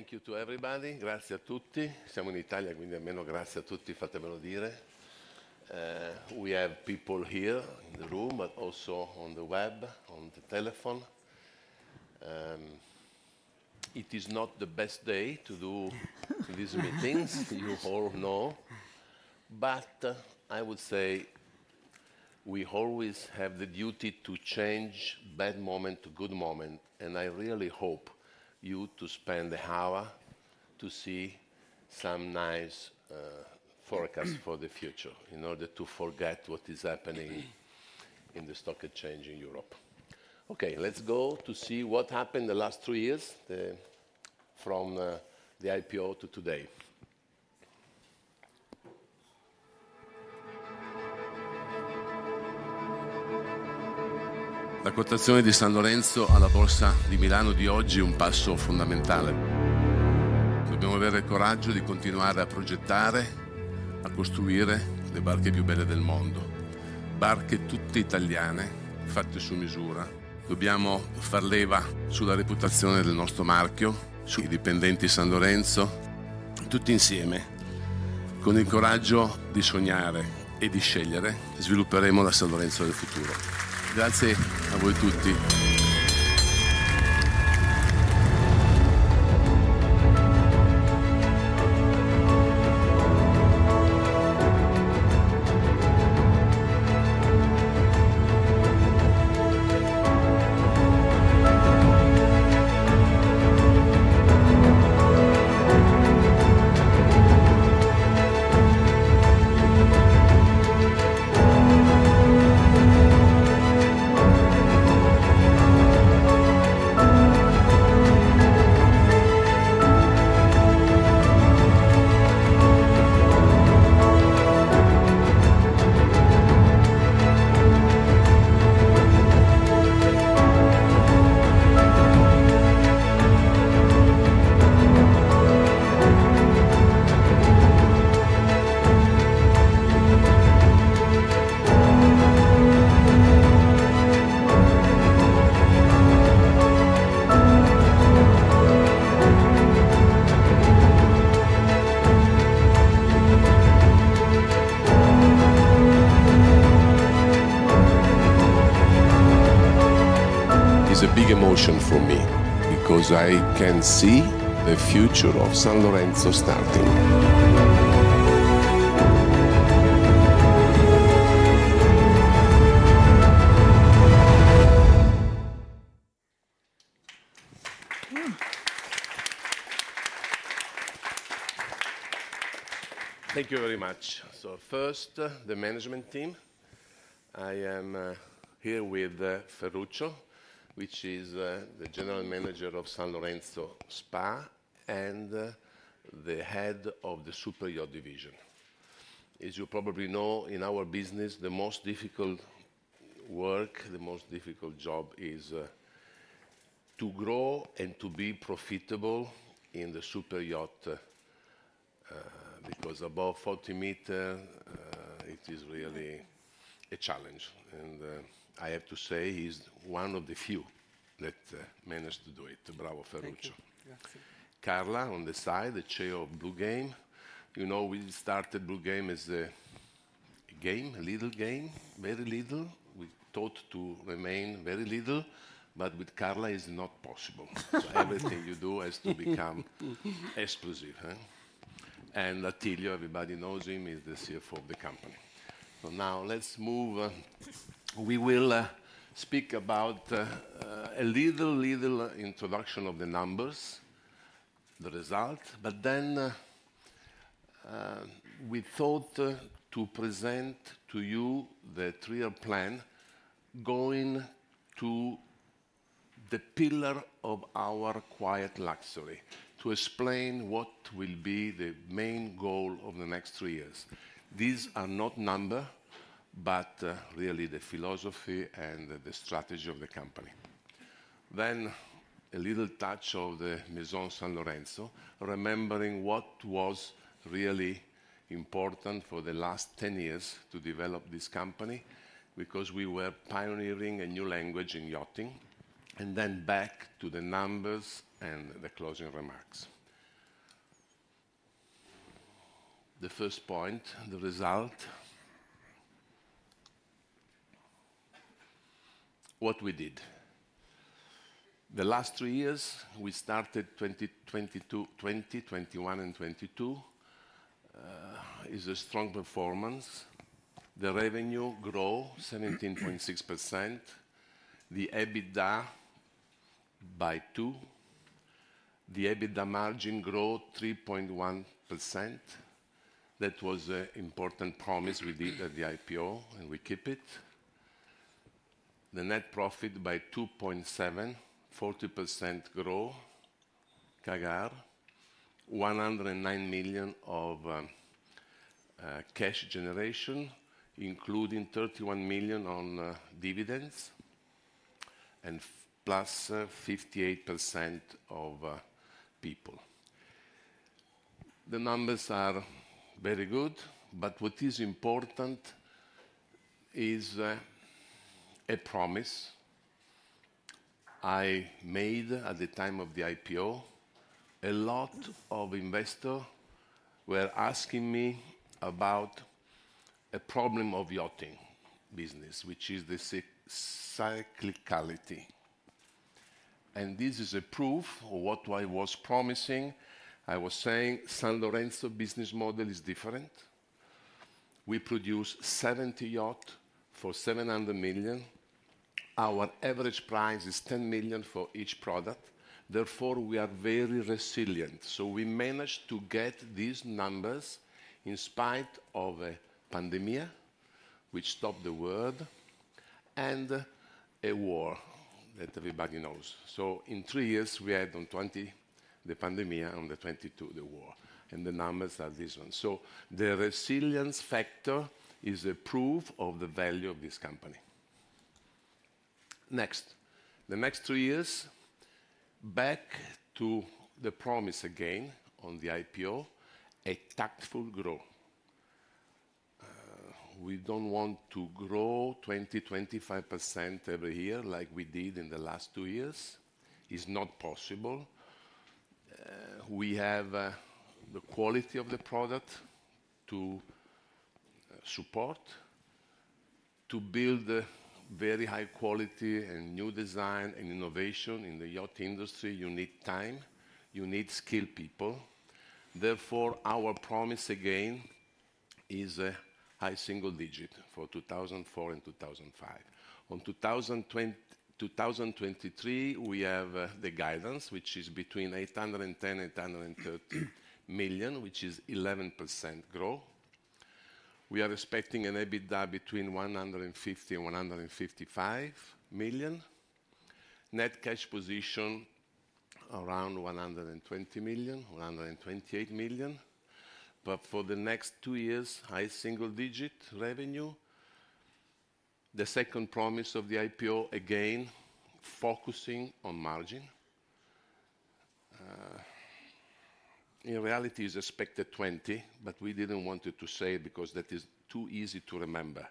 Thank you to everybody. Grazie a tutti. Siamo in Italia, quindi almeno grazie a tutti, fatemelo dire. We have people here in the room, but also on the web, on the telephone. It is not the best day to do these meetings, you all know. I would say we always have the duty to change bad moment to good moment, and I really hope you to spend the hour to see some nice forecast for the future in order to forget what is happening in the stock exchange in Europe. Let's go to see what happened the last three years from the IPO to today. La quotazione di Sanlorenzo alla Borsa di Milano di oggi è un passo fondamentale. Dobbiamo avere il coraggio di continuare a progettare, a costruire le barche più belle del mondo. Barche tutte italiane, fatte su misura. Dobbiamo far leva sulla reputazione del nostro marchio, sui dipendenti Sanlorenzo, tutti insieme, con il coraggio di sognare e di scegliere, svilupperemo la Sanlorenzo del futuro. Grazie a voi tutti. It's a big emotion for me because I can see the future of Sanlorenzo starting. Thank you very much. First, the management team. I am here with Ferruccio, which is the General Manager of Sanlorenzo S.p.A. and the Head of the Superyacht Division. As you probably know, in our business, the most difficult work, the most difficult job is to grow and to be profitable in the superyacht, because above 40 meters, it is really a challenge. I have to say he's one of the few that managed to do it. Bravo, Ferruccio. Thank you. Grazie. Carla on the side, the CEO of Bluegame. You know, we started Bluegame as a game, a little game, very little. We thought to remain very little but with Carla is not possible. Everything you do has to become exclusive, eh? Attilio, everybody knows him, he's the CFO of the company. Now let's move, we will speak about a little introduction of the numbers, the result. We thought to present to you the three-year plan, going to the pillar of our quiet luxury to explain what will be the main goal of the next three years. These are not number, really the philosophy and the strategy of the company. A little touch of the Maison Sanlorenzo, remembering what was really important for the last 10 years to develop this company, because we were pioneering a new language in yachting. Back to the numbers and the closing remarks. The first point, the result, what we did. The last three years, 2020, 2021, and 2022 is a strong performance. The revenue grow 17.6%. The EBITDA by two. The EBITDA margin grow 3.1%. That was an important promise we did at the IPO. We keep it. The net profit by 2.7, 40% grow, CAGR, 109 million of cash generation, including 31 million on dividends, and +58% of people. The numbers are very good. What is important is a promise I made at the time of the IPO. A lot of investors were asking me about a problem of yachting business, which is the cyclicality. This is a proof of what I was promising. I was saying Sanlorenzo business model is different. We produce 70 yacht for 700 million. Our average price is 10 million for each product, therefore we are very resilient. We managed to get these numbers in spite of a pandemic, which stopped the world, and a war that everybody knows. In three years we had on 2020, the pandemic, on 2022, the war, and the numbers are these ones. The resilience factor is a proof of the value of this company. Next, the next two years, back to the promise again on the IPO, a tactful growth. We don't want to grow 20%-25% every year like we did in the last two years, is not possible. We have the quality of the product to support. To build the very high quality and new design and innovation in the yacht industry, you need time, you need skilled people. Therefore, our promise again is a high single digit for 2004 and 2005. On 2023, we have the guidance, which is between 810 million-830 million, which is 11% growth. We are expecting an EBITDA between 150 million-155 million. Net cash position around 120 million-128 million. For the next two years, high single digit revenue. The second promise of the IPO, again, focusing on margin. In reality it's expected 20, we didn't want it to say because that is too easy to remember.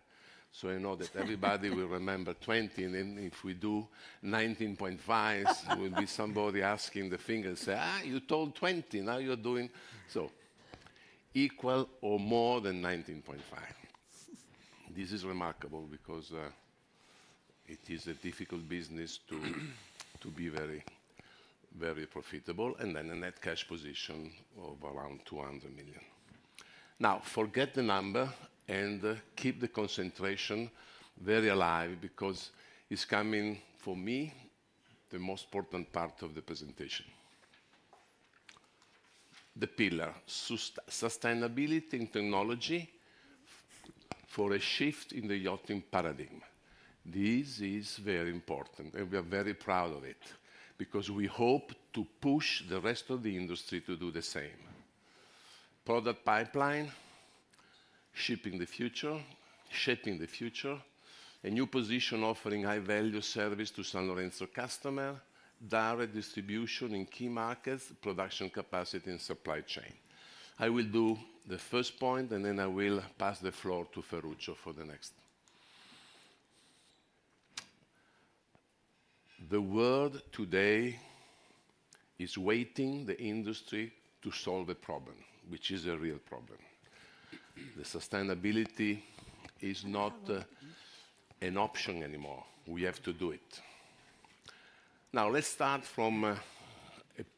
I know that everybody will remember 20, if we do 19.5 will be somebody asking the thing and say, "You told 20, now you're doing" - equal or more than 19.5. This is remarkable because it is a difficult business to be very profitable. A net cash position of around 200 million. Forget the number and keep the concentration very alive because it's coming for me, the most important part of the presentation. The pillar, sustainability and technology for a shift in the yachting paradigm. This is very important, we are very proud of it because we hope to push the rest of the industry to do the same. Product pipeline, shaping the future, a new position offering high-value service to Sanlorenzo customer, direct distribution in key markets, production capacity and supply chain. I will do the first point. Then I will pass the floor to Ferruccio for the next. The world today is waiting the industry to solve a problem, which is a real problem. The sustainability is not an option anymore. We have to do it. Let's start from a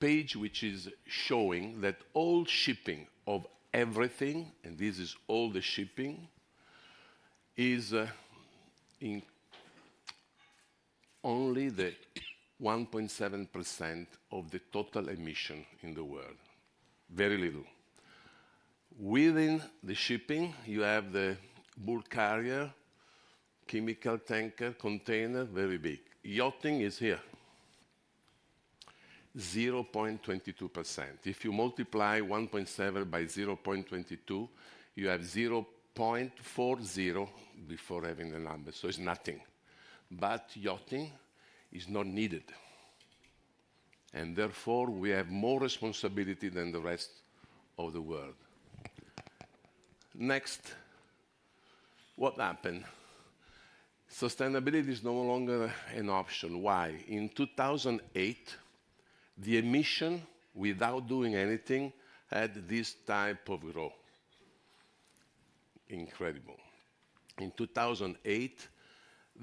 page which is showing that all shipping of everything, and this is all the shipping, is in only the 1.7% of the total emission in the world. Very little. Within the shipping, you have the bulk carrier, chemical tanker, container, very big. Yachting is here, 0.22%. If you multiply 1.7 by 0.22, you have 0.40 before having the number, so it's nothing. Yachting is not needed, and therefore we have more responsibility than the rest of the world. Next, what happened? Sustainability is no longer an option. Why? In 2008,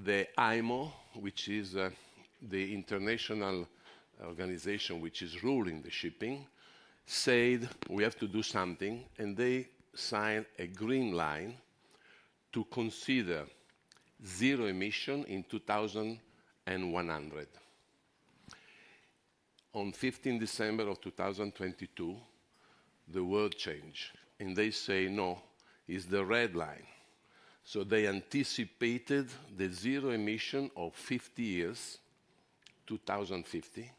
the IMO, which is the international organization which is ruling the shipping, said we have to do something, and they signed a green line to consider zero emission in 2100. On 15th December 2022, the world change and they say, "No, it's the red line." They anticipated the zero emission of 50 years, 2050.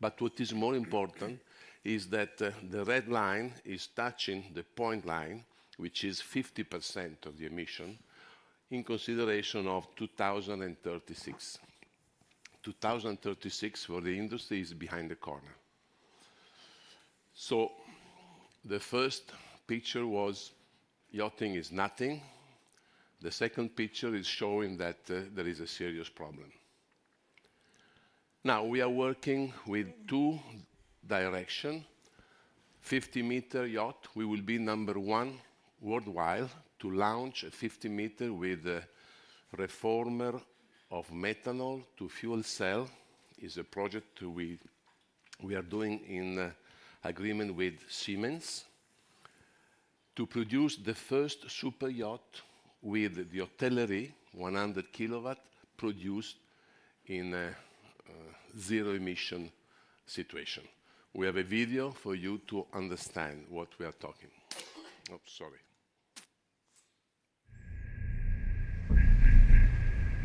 What is more important is that the red line is touching the point line, which is 50% of the emission in consideration of 2036 for the industry is behind the corner. The first picture was yachting is nothing. The second picture is showing that there is a serious problem. Now we are working with two direction 50-meter yacht. We will be number one worldwide to launch a 50-meter with a reformer of methanol to fuel cell. Is a project we are doing in agreement with Siemens Energy to produce the first super yacht with the hotellerie 100 kW produced in a zero emission situation. We have a video for you to understand what we are talking. Oh, sorry.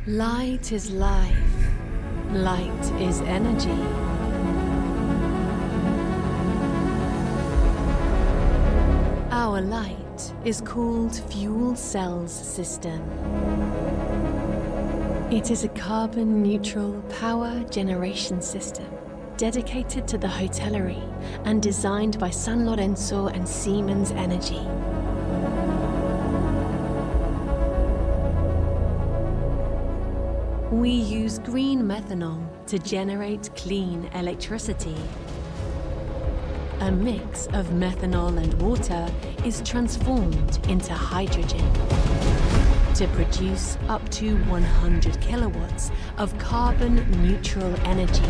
Light is life. Light is energy. Our light is called fuel cells system. It is a carbon neutral power generation system dedicated to the hotellerie and designed by Sanlorenzo and Siemens Energy. We use green methanol to generate clean electricity. A mix of methanol and water is transformed into hydrogen to produce up to 100 kW of carbon neutral energy.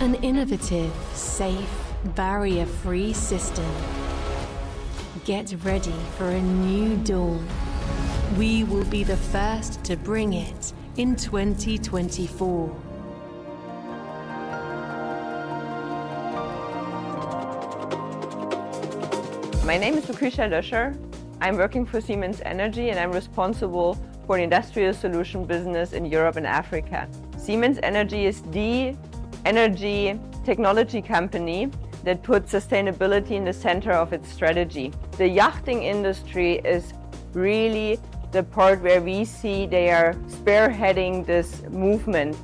An innovative, safe, barrier-free system. Get ready for a new dawn. We will be the first to bring it in 2024. My name is Lucretia Löscher. I'm working for Siemens Energy, I'm responsible for industrial solution business in Europe and Africa. Siemens Energy is the energy technology company that puts sustainability in the center of its strategy. The yachting industry is really the part where we see they are spearheading this movement.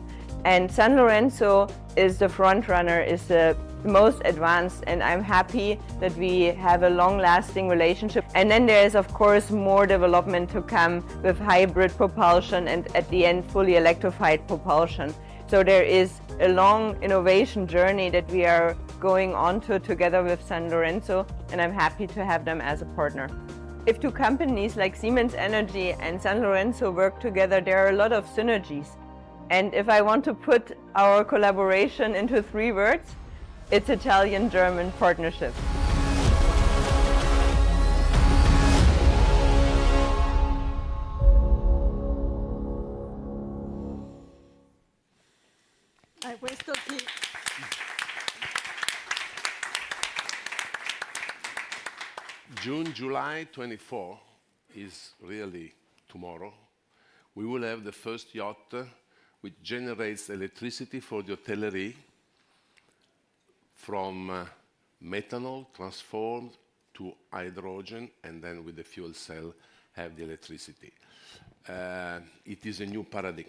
Sanlorenzo is the front runner, is the most advanced, and I'm happy that we have a long-lasting relationship. There is, of course, more development to come with hybrid propulsion and at the end fully electrified propulsion. There is a long innovation journey that we are going onto together with Sanlorenzo, and I'm happy to have them as a partner. If two companies like Siemens Energy and Sanlorenzo work together, there are a lot of synergies. If I want to put our collaboration into three words, it's Italian-German partnership. June, July 2024 is really tomorrow. We will have the first yacht which generates electricity for hotellerie from methanol transformed to hydrogen, and then with the fuel cell have the electricity. It is a new paradigm.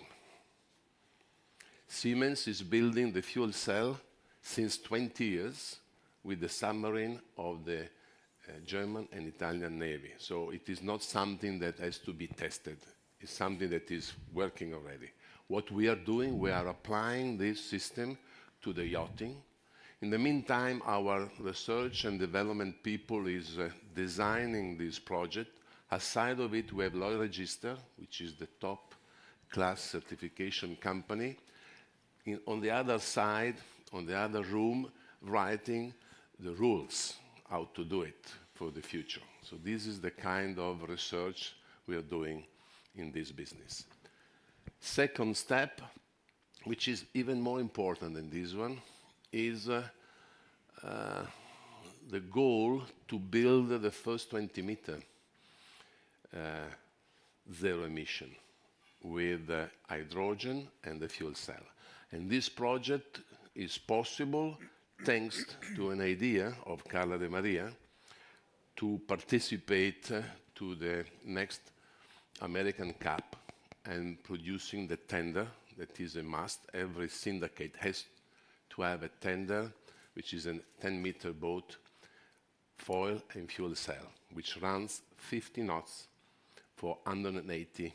Siemens is building the fuel cell since 20 years with the submarine of the German and Italian Navy, so it is not something that has to be tested. It's something that is working already. What we are doing, we are applying this system to the yachting. In the meantime, our research and development people is designing this project. Aside of it, we have Lloyd's Register, which is the top-class certification company in on the other side, on the other room, writing the rules how to do it for the future. This is the kind of research we are doing in this business. Second step, which is even more important than this one, is the goal to build the first 20-meter zero emission with the hydrogen and the fuel cell. This project is possible thanks to an idea of Carla Demaria to participate to the next American Cup and producing the tender that is a must. Every syndicate has to have a tender, which is a 10-meter boat, foil, and fuel cell which runs 50 knots for 180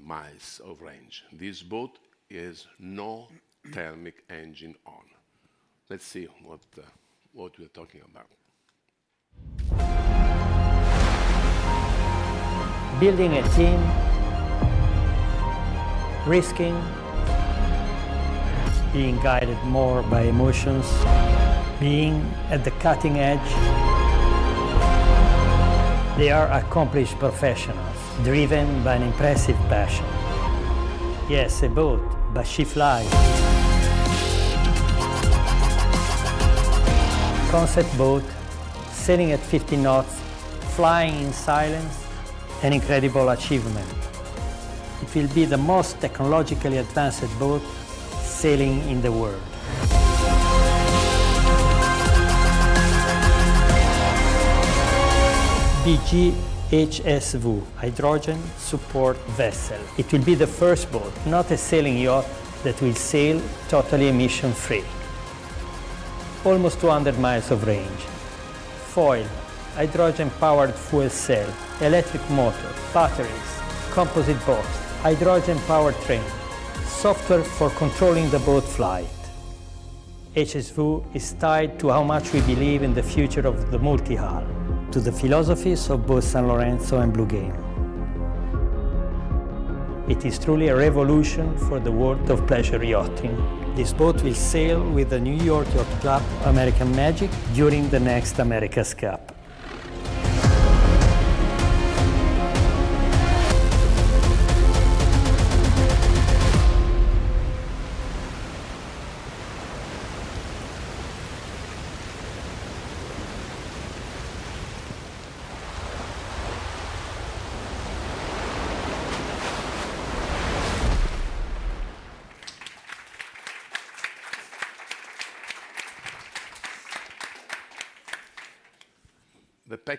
miles of range. This boat has no thermic engine on. Let's see what we're talking about. Building a team, risking, being guided more by emotions, being at the cutting edge. They are accomplished professionals driven by an impressive passion. Yes, a boat, but she flies. Concept boat sailing at 50 knots, flying in silence, an incredible achievement. It will be the most technologically advanced boat sailing in the world. BGH-HSV, Hydrogen Support Vessel. It will be the first boat, not a sailing yacht, that will sail totally emission-free. Almost 200 miles of range. Foil, hydrogen-powered fuel cell, electric motor, batteries, composite boat, hydrogen powertrain, software for controlling the boat flight. HSV is tied to how much we believe in the future of the multi-hull, to the philosophies of both Sanlorenzo and Bluegame. It is truly a revolution for the world of pleasure yachting. This boat will sail with the New York Yacht Club American Magic during the next America's Cup.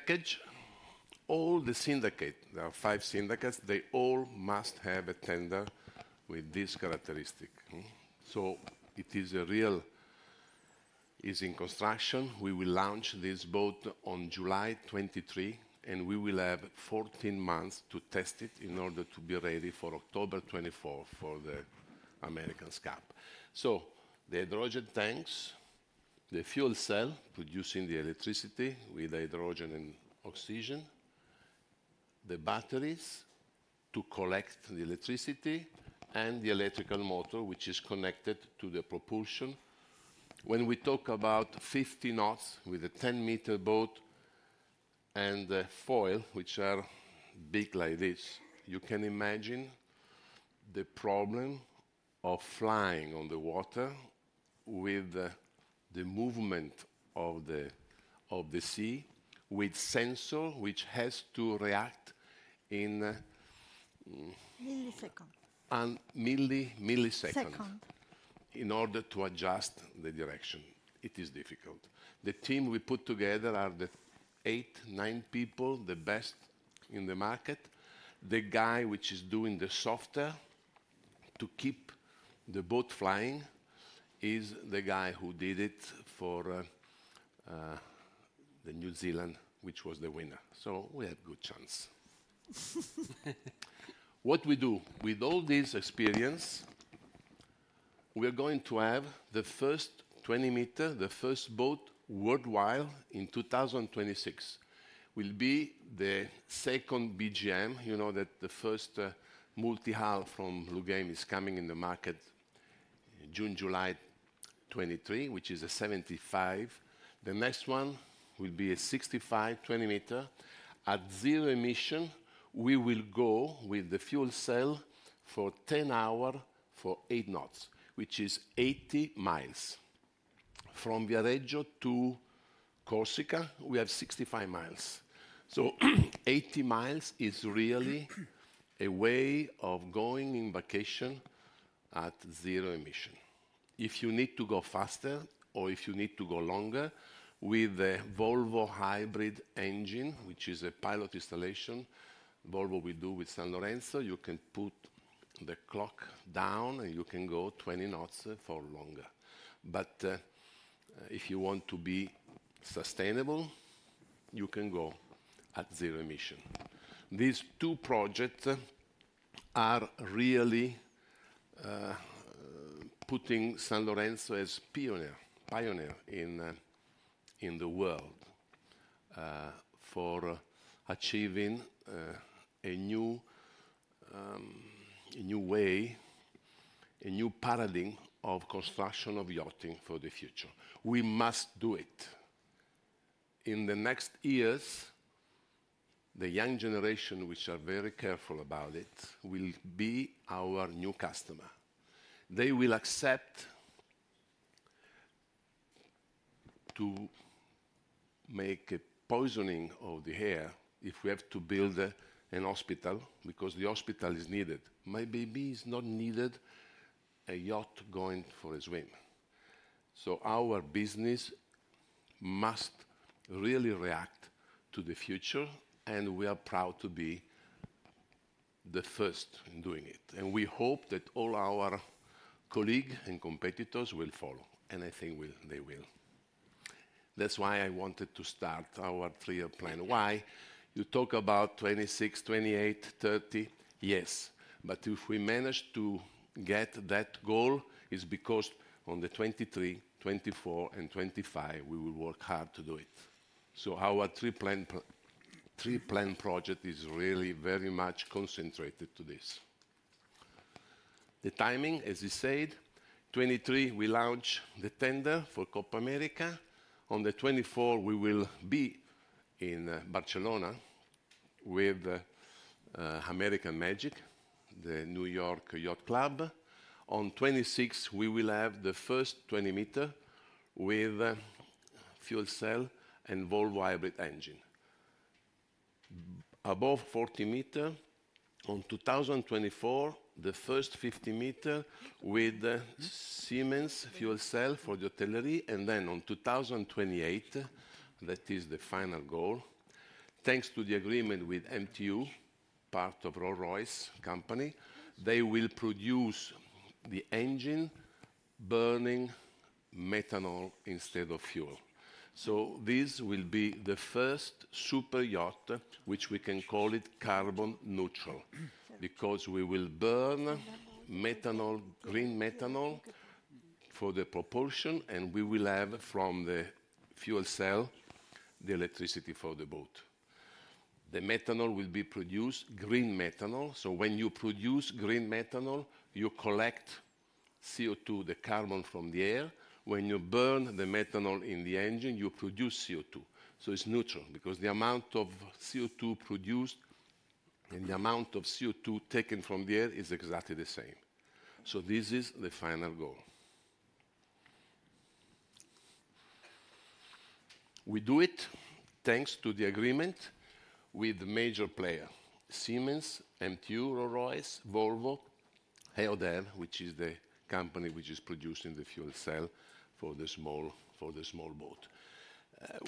The package, all the syndicate, there are five syndicates, they all must have a tender with this characteristic. It is in construction. We will launch this boat on July 2023, and we will have 14 months to test it in order to be ready for October 2024 for the America's Cup. The hydrogen tanks, the fuel cell producing the electricity with hydrogen and oxygen, the batteries to collect the electricity, and the electrical motor, which is connected to the propulsion. When we talk about 50 knots with a 10-meter boat and the foil, which are big like this, you can imagine the problem of flying on the water with the movement of the, of the sea, with sensor which has to react in - Millisecond. Millisecond in order to adjust the direction. It is difficult. The team we put together are the eight, nine people, the best in the market. The guy which is doing the software to keep the boat flying is the guy who did it for the New Zealand, which was the winner. We have good chance. What we do with all this experience, we're going to have the first 20-meter, the first boat worldwide in 2026. Will be the second BGM. You know that the first multi-hull from Bluegame is coming in the market June, July 2023, which is a 75. The next one will be a 65, 20 meter. At zero emission, we will go with the fuel cell for 10 hours for eight knots, which is 80 miles. From Viareggio to Corsica, we have 65 miles. 80 miles is really a way of going in vacation at zero emission. If you need to go faster or if you need to go longer with a Volvo hybrid engine, which is a pilot installation Volvo will do with Sanlorenzo, you can put the clock down, and you can go 20 knots for longer. If you want to be sustainable, you can go at zero emission. These two project are really putting Sanlorenzo as pioneer in the world for achieving a new way, a new paradigm of construction of yachting for the future. We must do it. In the next years, the young generation, which are very careful about it, will be our new customer. They will accept to make a poisoning of the air if we have to build an hospital because the hospital is needed. Maybe it is not needed a yacht going for a swim. Our business must really react to the future, and we are proud to be the first in doing it, and we hope that all our colleague and competitors will follow, and I think they will. That's why I wanted to start our three-year plan. Why? You talk about 2026, 2028, 2030. Yes. If we manage to get that goal, it's because on the 2023, 2024, and 2025, we will work hard to do it. Our three plan project is really very much concentrated to this. The timing, as we said, 2023, we launch the tender for America's Cup. On 2024, we will be in Barcelona with American Magic, the New York Yacht Club. On 2026, we will have the first 20-meter with a fuel cell and Volvo hybrid engine. Above 40 meters. On 2024, the first 50-meter with Siemens fuel cell for the hotellerie. On 2028, that is the final goal, thanks to the agreement with MTU, part of Rolls-Royce Company, they will produce the engine burning methanol instead of fuel. This will be the first superyacht, which we can call it carbon neutral, because we will burn methanol, green methanol for the propulsion, and we will have, from the fuel cell, the electricity for the boat. The methanol will be produced green methanol. When you produce green methanol, you collect CO2, the carbon from the air. When you burn the methanol in the engine, you produce CO2. It's neutral because the amount of CO2 produced and the amount of CO2 taken from the air is exactly the same. This is the final goal. We do it thanks to the agreement with major player, Siemens, MTU, Rolls-Royce, Volvo, Alden, which is the company which is producing the fuel cell for the small boat.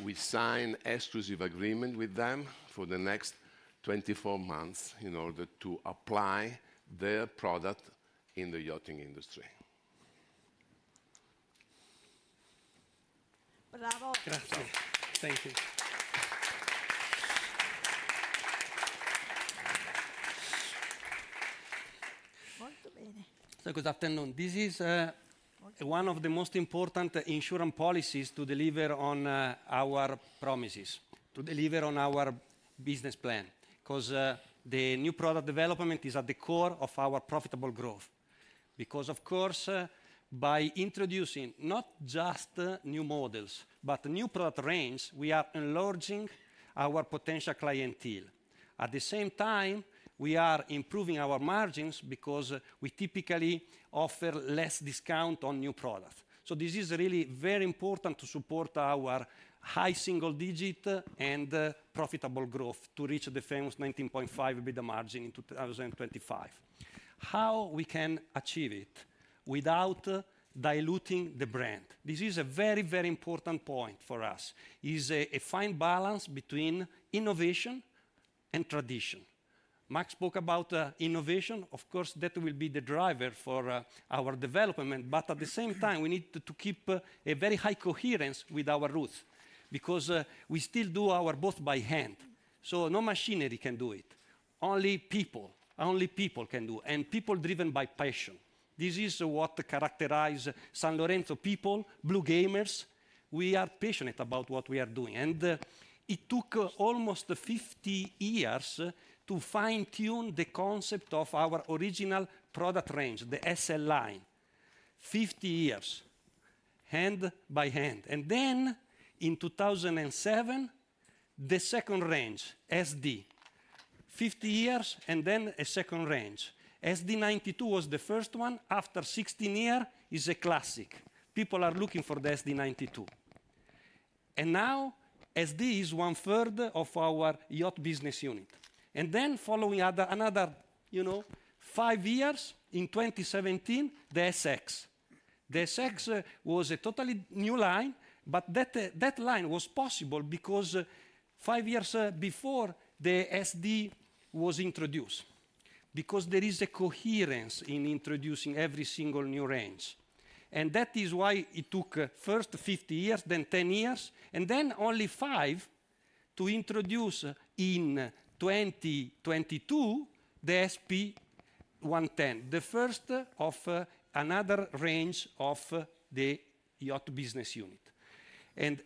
We sign exclusive agreement with them for the next 24 months in order to apply their product in the yachting industry. Bravo. Grazie. Thank you. Good afternoon. This is one of the most important insurance policies to deliver on our promises, to deliver on our business plan. Because the new product development is at the core of our profitable growth. Because of course, by introducing not just new models, but new product range, we are enlarging our potential clientele. At the same time, we are improving our margins because we typically offer less discount on new product. This is really very important to support our high single digit and profitable growth to reach the famous 19.5% EBITDA margin in 2025. How we can achieve it without diluting the brand? This is a very, very important point for us, is a fine balance between innovation and tradition. Max spoke about innovation. Of course, that will be the driver for our development. At the same time, we need to keep a very high coherence with our roots, because we still do our boat by hand. No machinery can do it, only people, only people can do, and people driven by passion. This is what characterizes Sanlorenzo people, Bluegamers. We are passionate about what we are doing. It took almost 50 years to fine-tune the concept of our original product range, the SL line. 50 years, hand by hand. In 2007, the second range, SD. 50 years and then a second range. SD90 was the first one. After 16 years, it's a classic. People are looking for the SD90. Now, SD is one-third of our yacht business unit. Following another, you know, five years, in 2017, the SX. The SX was a totally new line, that line was possible because five years before the SD was introduced, because there is a coherence in introducing every single new range. That is why it took first 50 years, then 10 years, and then only five to introduce in 2022, the SP110 the first of another range of the yacht business unit.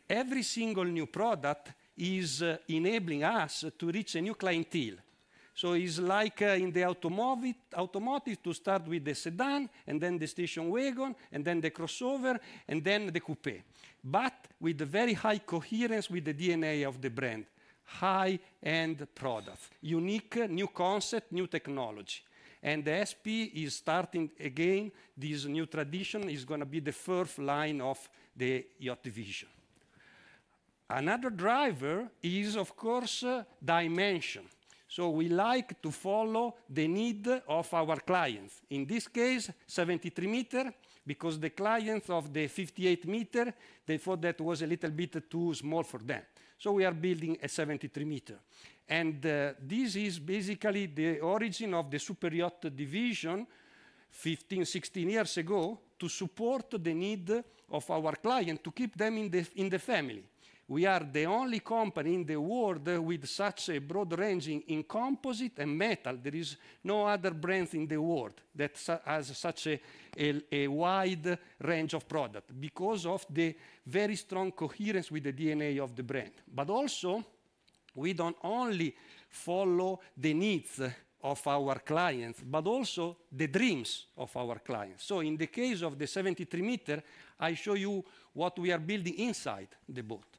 Every single new product is enabling us to reach a new clientele. It's like in the automotive to start with the sedan, and then the station wagon, and then the crossover, and then the coupe. With the very high coherence with the DNA of the brand, high-end product, unique new concept, new technology. The SP is starting again, this new tradition is gonna be the fourth line of the yacht division. Another driver is, of course, dimension. We like to follow the need of our clients. In this case, 73-meter, because the clients of the 58-meter, they thought that was a little bit too small for them. We are building a 73-meter. This is basically the origin of the superyacht division 15, 16 years ago, to support the need of our client to keep them in the family. We are the only company in the world with such a broad range in composite and metal. There is no other brand in the world that has such a wide range of product because of the very strong coherence with the DNA of the brand. We don't only follow the needs of our clients, but also the dreams of our clients. In the case of the 73 meter, I show you what we are building inside the boat.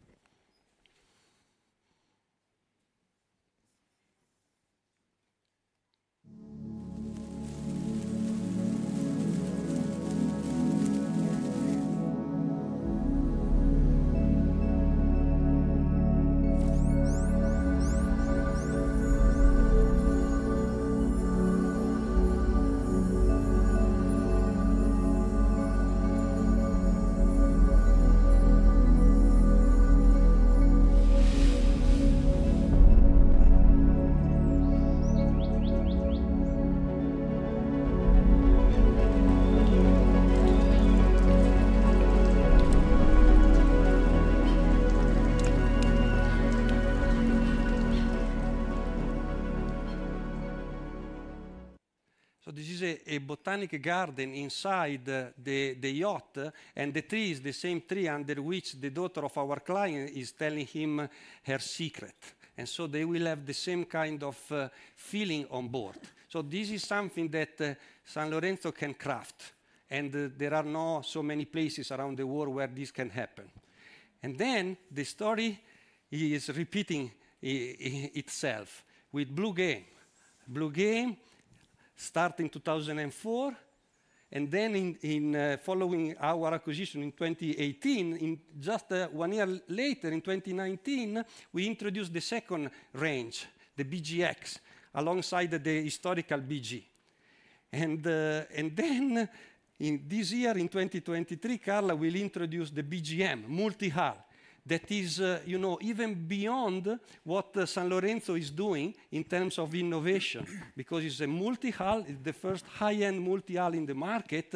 This is a botanic garden inside the yacht, and the tree is the same tree under which the daughter of our client is telling him her secret. They will have the same kind of feeling on board. This is something that Sanlorenzo can craft, and there are not so many places around the world where this can happen. The story is repeating itself with Bluegame. Bluegame start in 2004, and then in following our acquisition in 2018, in just one year later in 2019, we introduced the second range: the BGX, alongside the historical BG. In this year, in 2023, Carla will introduce the BGM multi-hull. That is, you know, even beyond what Sanlorenzo is doing in terms of innovation because it's a multi-hull, it's the first high-end multi-hull in the market.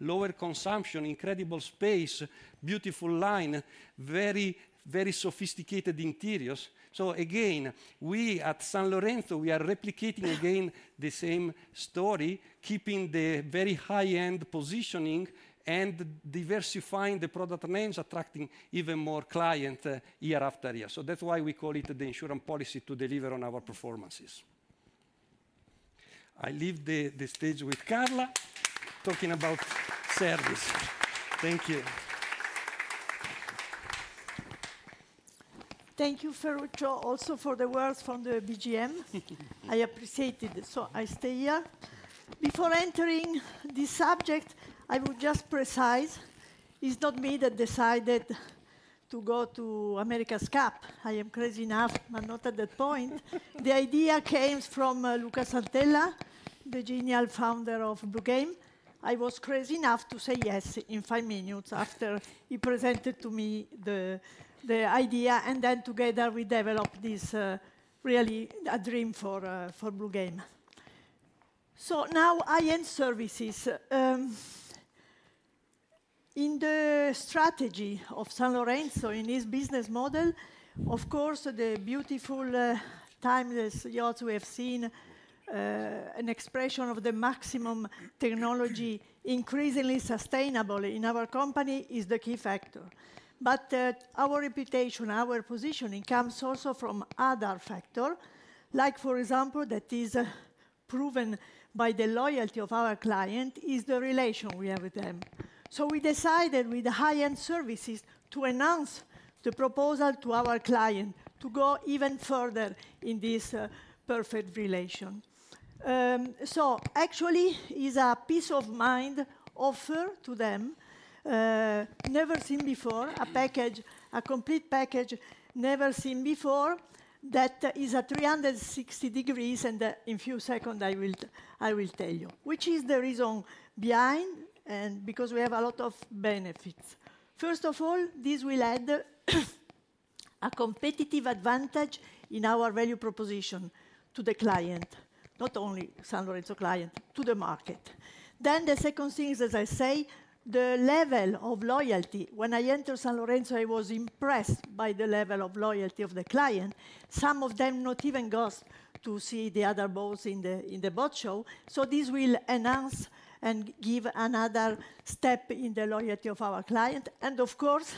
Lower consumption, incredible space, beautiful line, very, very sophisticated interiors. Again, we at Sanlorenzo, we are replicating again the same story, keeping the very high-end positioning and diversifying the product range, attracting even more client year after year. That's why we call it the insurance policy to deliver on our performances. I leave the stage with Carla talking about service. Thank you. Thank you Ferruccio, also for the words from the BGM, I appreciate it, so I stay here. Before entering the subject, I will just precise it's not me that decided to go to America's Cup. I am crazy enough, but not at that point. The idea came from Luca Santella, the genial founder of Bluegame. I was crazy enough to say yes in five minutes after he presented to me the idea, and then together we developed this really a dream for Bluegame. Now high-end services. In the strategy of Sanlorenzo, in its business model, of course the beautiful, timeless yachts we have seen an expression of the maximum technology, increasingly sustainable in our company is the key factor. Our reputation, our positioning comes also from other factor, like for example, that is proven by the loyalty of our client is the relation we have with them. We decided with the high-end services to enhance the proposal to our client to go even further in this perfect relation. Actually is a peace-of-mind offer to them, never seen before, a package, a complete package never seen before that is a 360 degrees, and in few second I will tell you. Which is the reason behind and because we have a lot of benefits. First of all, this will add a competitive advantage in our value proposition to the client, not only Sanlorenzo client, to the market. The second thing is, as I say, the level of loyalty. When I enter Sanlorenzo, I was impressed by the level of loyalty of the client. Some of them not even goes to see the other boats in the boat show, this will enhance and give another step in the loyalty of our client. Of course,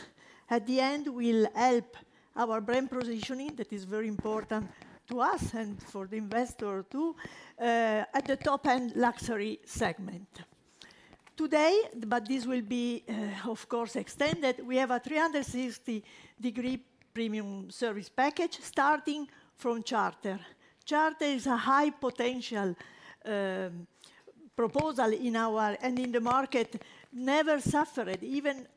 at the end will help our brand positioning, that is very important to us and for the investor too, at the top-end luxury segment. Today, this will be, of course extended, we have a 360-degree premium service package starting from charter. Charter is a high-potential proposal in our, in the market never suffered even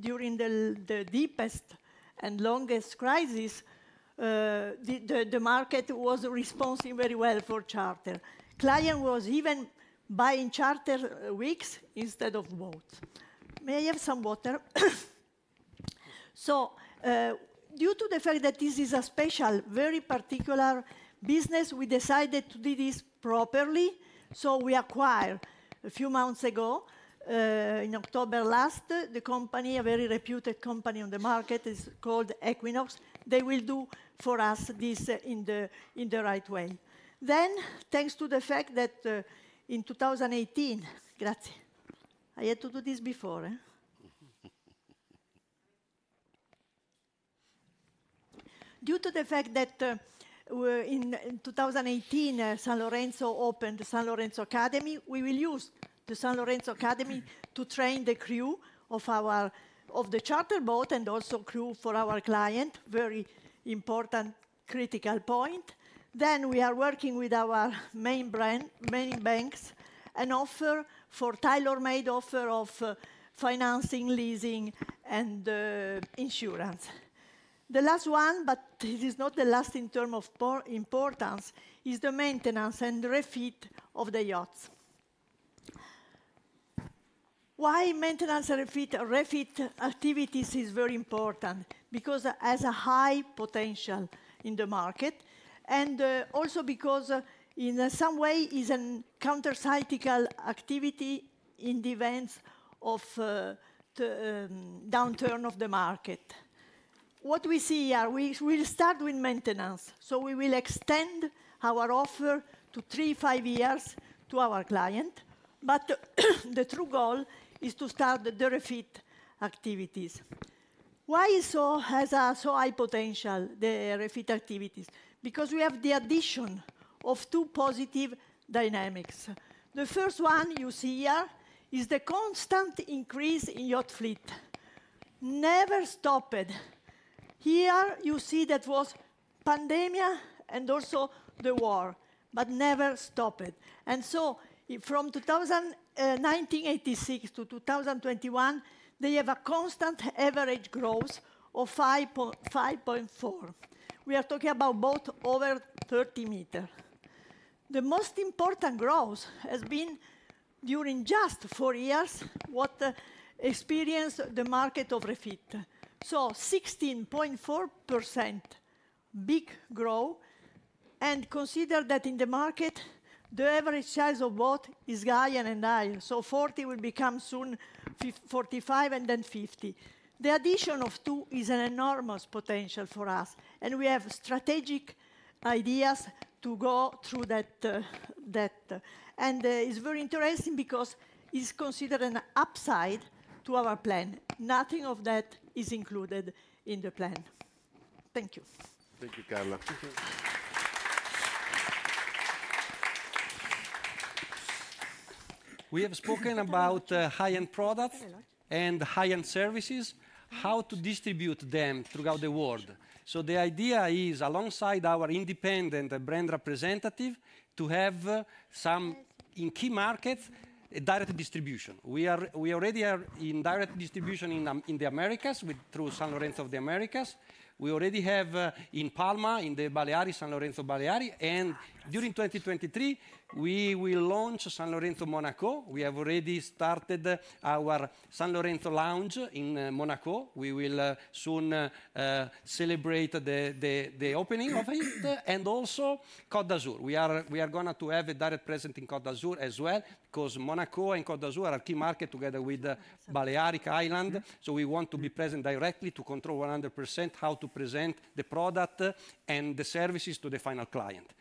during the deepest and longest crisis, the market was responding very well for charter. Client was even buying charter weeks instead of boats. May I have some water? Due to the fact that this is a special, very particular business, we decided to do this properly, we acquired a few months ago, in October last, the company, a very reputed company on the market, it's called Equinoxe. Thanks to the fact that, in 2018... Grazie. I had to do this before, eh? Due to the fact that, in 2018, Sanlorenzo opened Sanlorenzo Academy, we will use the Sanlorenzo Academy to train the crew of the charter boat and also crew for our client, very important critical point. We are working with our main banks. An offer for tailor-made offer of financing, leasing, and insurance. The last one, but it is not the last in term of importance, is the maintenance and refit of the yachts. Why maintenance and refit activities is very important? Because it has a high potential in the market, and also because in some way is an countercyclical activity in the events of downturn of the market. What we see here, we will start with maintenance, so we will extend our offer to 3, 5 years to our client. The true goal is to start the refit activities. Why has so high potential, the refit activities? Because we have the addition of two positive dynamics. The first one you see here is the constant increase in yacht fleet. Never stopped. Here you see that was pandemia and also the war, never stopped. From 1986 to 2021, they have a constant average growth of 5.4%. We are talking about boat over 30 meters. The most important growth has been during just four years, what experience the market of refit. 16.4%, big growth, and consider that in the market, the average size of boat is higher and higher, 40 will become soon 45 and then 50. The addition of two is an enormous potential for us, and we have strategic ideas to go through that. It's very interesting because it's considered an upside to our plan. Nothing of that is included in the plan. Thank you. Thank you, Carla. We have spoken about high-end products and high-end services, how to distribute them throughout the world. The idea is, alongside our independent brand representative, to have some, in key markets, a direct distribution. We already are in direct distribution in the Americas through Sanlorenzo Americas. We already have in Palma, in the Balearic Islands, Sanlorenzo Baleares, and during 2023, we will launch Sanlorenzo Monaco. We have already started our Sanlorenzo lounge in Monaco. We will soon celebrate the opening of it, and also Côte d'Azur. We are gonna to have a direct presence in Côte d'Azur as well, 'cause Monaco and Côte d'Azur are key market together with the Balearic Islands. We want to be present directly to control 100% how to present the product and the services to the final client.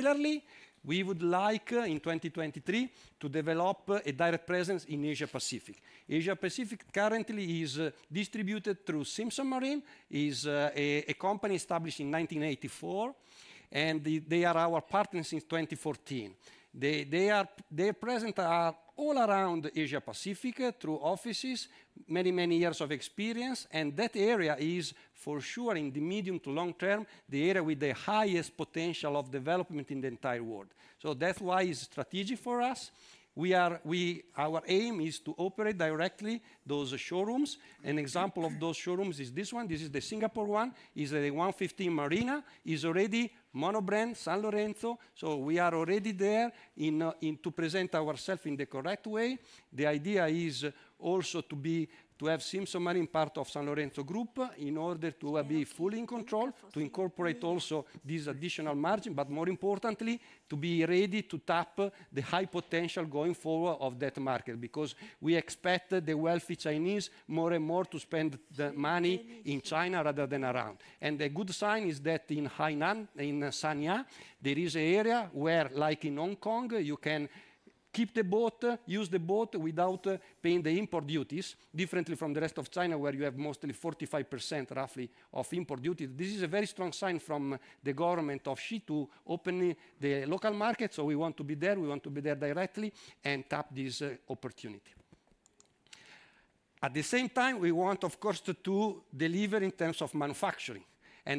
Similarly, we would like, in 2023, to develop a direct presence in Asia-Pacific. Asia-Pacific currently is distributed through Simpson Marine, is a company established in 1984, and they are our partners since 2014. They are present all around Asia-Pacific through offices, many, many years of experience, and that area is for sure, in the medium to long term, the area with the highest potential of development in the entire world. That's why it's strategic for us. Our aim is to operate directly those showrooms. An example of those showrooms is this one. This is the Singapore one, is a ONE°15 Marina, is already mono-brand Sanlorenzo. We are already there in to present ourselves in the correct way. The idea is also to be - to have Simpson Marine part of Sanlorenzo Group in order to be fully in control, to incorporate also this additional margin, but more importantly, to be ready to tap the high potential going forward of that market, because we expect the wealthy Chinese more and more to spend the money in China rather than around. The good sign is that in Hainan, in Sanya, there is an area where, like in Hong Kong, you can keep the boat, use the boat without paying the import duties, differently from the rest of China, where you have mostly 45%, roughly, of import duties. This is a very strong sign from the government of Xi to open the local market. We want to be there, we want to be there directly and tap this opportunity. At the same time, we want, of course, to deliver in terms of manufacturing.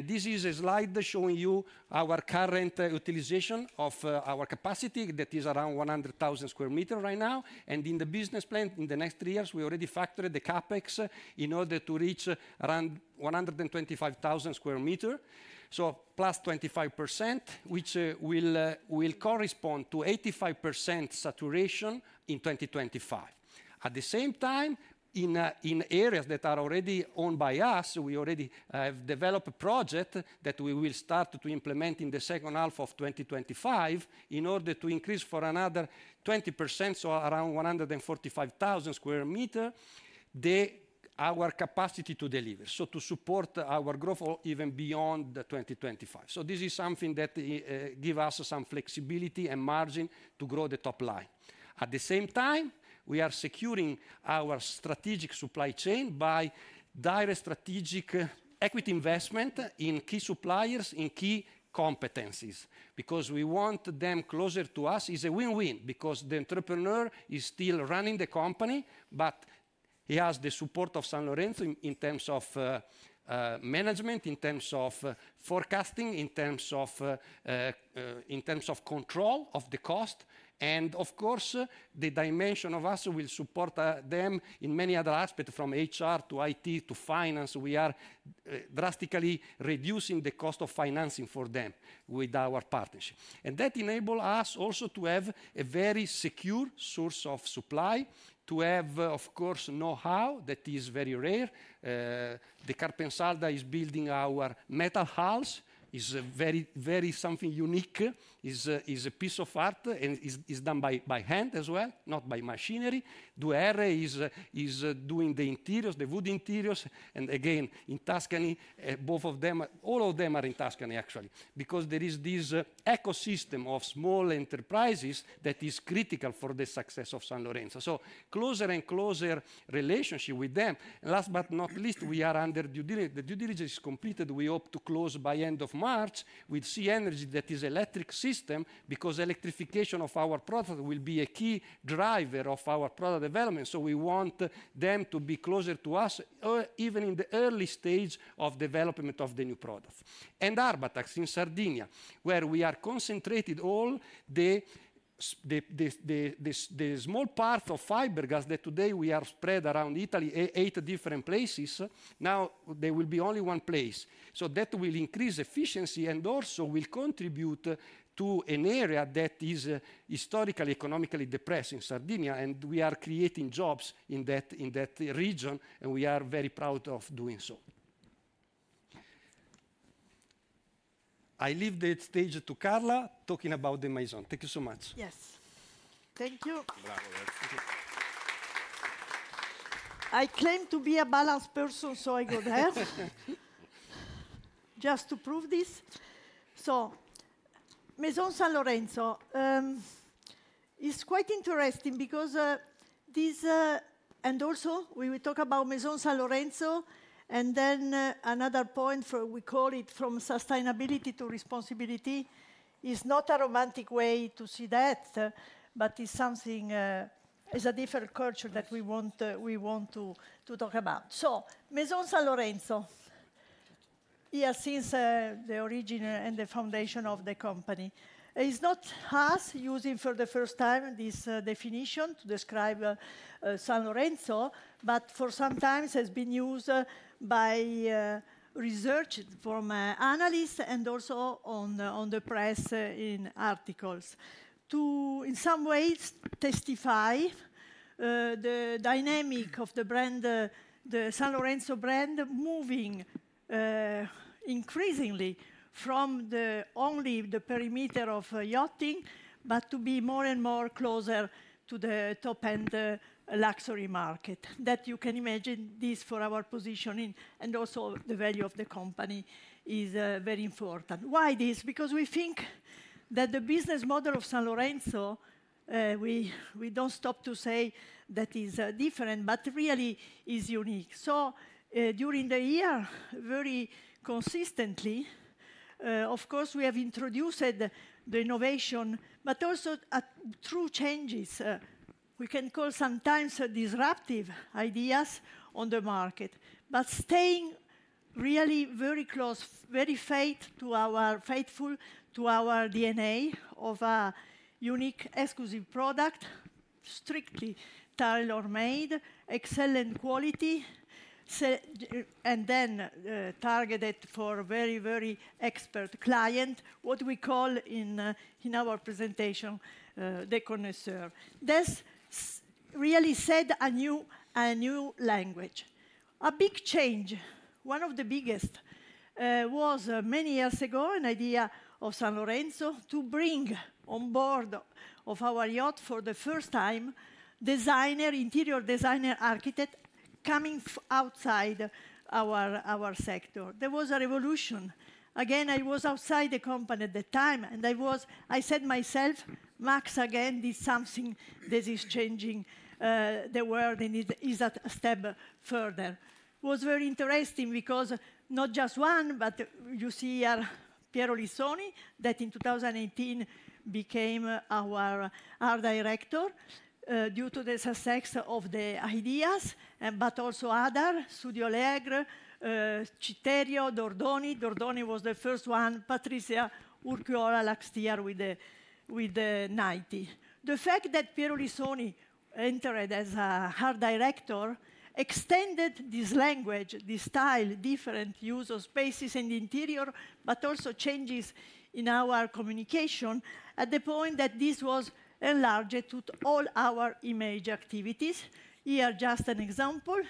This is a slide showing you our current utilization of our capacity, that is around 100 sq meter right now. In the business plan, in the next three years, we already factored the CapEx in order to reach around 125,000 sq meter, so +25%, which will correspond to 85% saturation in 2025. At the same time, in areas that are already owned by us, we already have developed a project that we will start to implement in the second half of 2025 in order to increase for another 20%, so around 145,000 sq meter, our capacity to deliver, so to support our growth or even beyond 2025. This is something that give us some flexibility and margin to grow the top line. At the same time, we are securing our strategic supply chain by direct strategic equity investment in key suppliers, in key competencies because we want them closer to us. It's a win-win because the entrepreneur is still running the company, but he has the support of Sanlorenzo in terms of management, in terms of forecasting, in terms of control of the cost. Of course, the dimension of us will support them in many other aspects from HR to IT to finance. We are drastically reducing the cost of financing for them with our partnership. That enable us also to have a very secure source of supply, to have, of course, know-how that is very rare. The Carpensalda is building our metal hulls. Is very something unique. Is a piece of art and is done by hand as well, not by machinery. Duerre is doing the interiors, the wood interiors. Again in Tuscany, all of them are in Tuscany, actually, because there is this ecosystem of small enterprises that is critical for the success of Sanlorenzo. Closer and closer relationship with them. Last but not least, the due diligence is completed. We hope to close by end of March with Sea Energy, that is electric system, because electrification of our product will be a key driver of our product development, so we want them to be closer to us even in the early stage of development of the new product. Arbatax in Sardinia, where we are concentrated all the small part of fiberglass that today we are spread around Italy, eight different places. Now they will be only one place. That will increase efficiency and also will contribute to an area that is historically economically depressed in Sardinia, and we are creating jobs in that region, and we are very proud of doing so. I leave the stage to Carla talking about the Maison. Thank you so much. Yes. Thank you. Bravo. I claim to be a balanced person, I go just to prove this. Maison Sanlorenzo is quite interesting because this. We will talk about Maison Sanlorenzo, then another point we call it from sustainability to responsibility. Is not a romantic way to see that, but it's something is a different culture that we want to talk about. Maison Sanlorenzo. Yes, since the origin and the foundation of the company. Is not us using for the first time this definition to describe Sanlorenzo, but sometimes has been used by research from analysts and also on the press in articles to, in some ways, testify the dynamic of the brand, the Sanlorenzo brand moving increasingly from only the perimeter of yachting, but to be more and more closer to the top-end luxury market. You can imagine this for our positioning and also the value of the company is very important. Why this? We think that the business model of Sanlorenzo, we don't stop to say that is different, but really is unique. During the year, very consistently, of course, we have introduced the innovation, but also true changes, we can call sometimes disruptive ideas on the market. Staying really very close, very faithful to our DNA of a unique, exclusive product, strictly tailor-made, excellent quality, and then targeted for very, very expert client, what we call in our presentation, the connoisseur. This really set a new language. A big change, one of the biggest, was many years ago, an idea of Sanlorenzo to bring on board of our yacht for the first time, designer, interior designer, architect, coming outside our sector. There was a revolution. I said myself, "Max again did something that is changing the world and is a step further." Was very interesting because not just one, but you see here Piero Lissoni, that in 2018 became our art director, due to the success of the ideas, but also other, Studioleggero, Citterio, Dordoni. Dordoni was the first one. Patricia Urquiola last year with the 90. The fact that Piero Lissoni entered as our art director extended this language, this style, different use of spaces and interior, but also changes in our communication at the point that this was enlarged to all our image activities. Here just an example,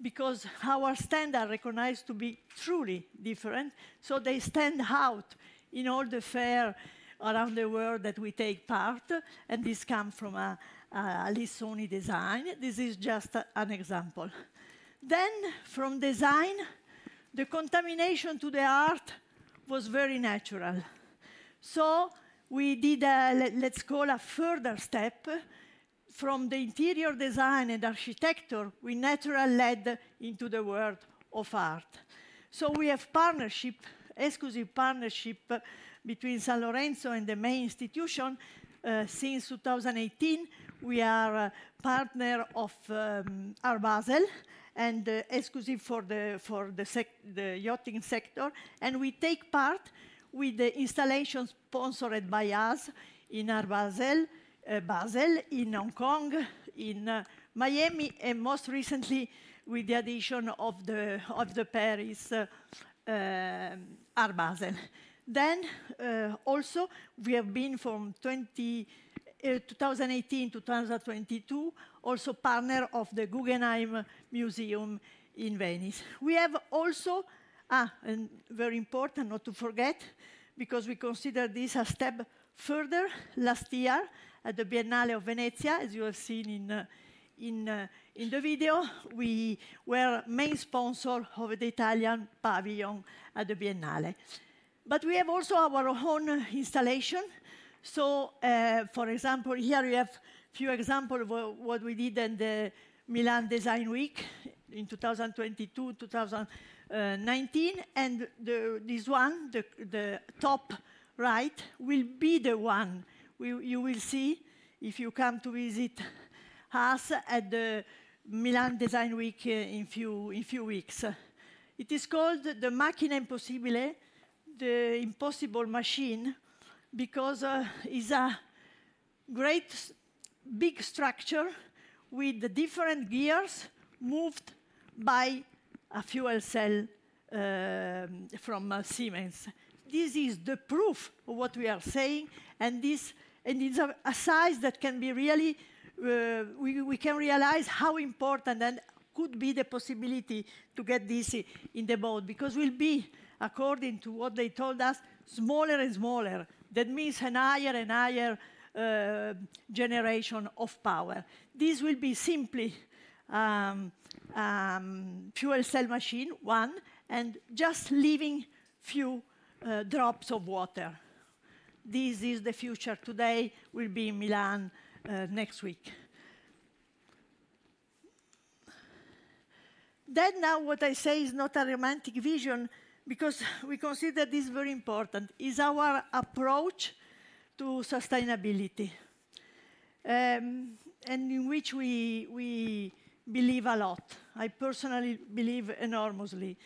because our stand are recognized to be truly different, so they stand out in all the fair around the world that we take part, and this come from a Lissoni design. This is just an example. From design, the contamination to the art was very natural. We did a let's call a further step from the interior design and architecture, we naturally led into the world of art. We have partnership, exclusive partnership between Sanlorenzo and the main institution. Since 2018, we are a partner of Art Basel and exclusive for the yachting sector. We take part with the installations sponsored by us in Art Basel, in Hong Kong, in Miami, and most recently with the addition of the Paris Art Basel. Also we have been from 2018 to 2022, also partner of the Guggenheim Museum in Venice. We have also, very important not to forget, because we consider this a step further, last year at La Biennale di Venezia, as you have seen in the video, we were main sponsor of the Italian Pavilion at La Biennale di Venezia. We have also our own installation. For example, here we have few example of what we did in the Milan Design Week in 2022, 2019. This one, top right will be the one you will see if you come to visit us at the Milan Design Week in few weeks. It is called the Macchina Impossibile, the impossible machine, because is a great big structure with different gears moved by a fuel cell from Siemens. This is the proof of what we are saying, and this, and it's a size that can be really, we can realize how important then could be the possibility to get this in the boat, because we'll be, according to what they told us, smaller and smaller. That means an higher and higher generation of power. This will be simply a fuel cell machine, one, and just leaving few drops of water. This is the future today, will be in Milan next week. Now what I say is not a romantic vision because we consider this very important. Is our approach to sustainability, and in which we believe a lot. I personally believe enormously.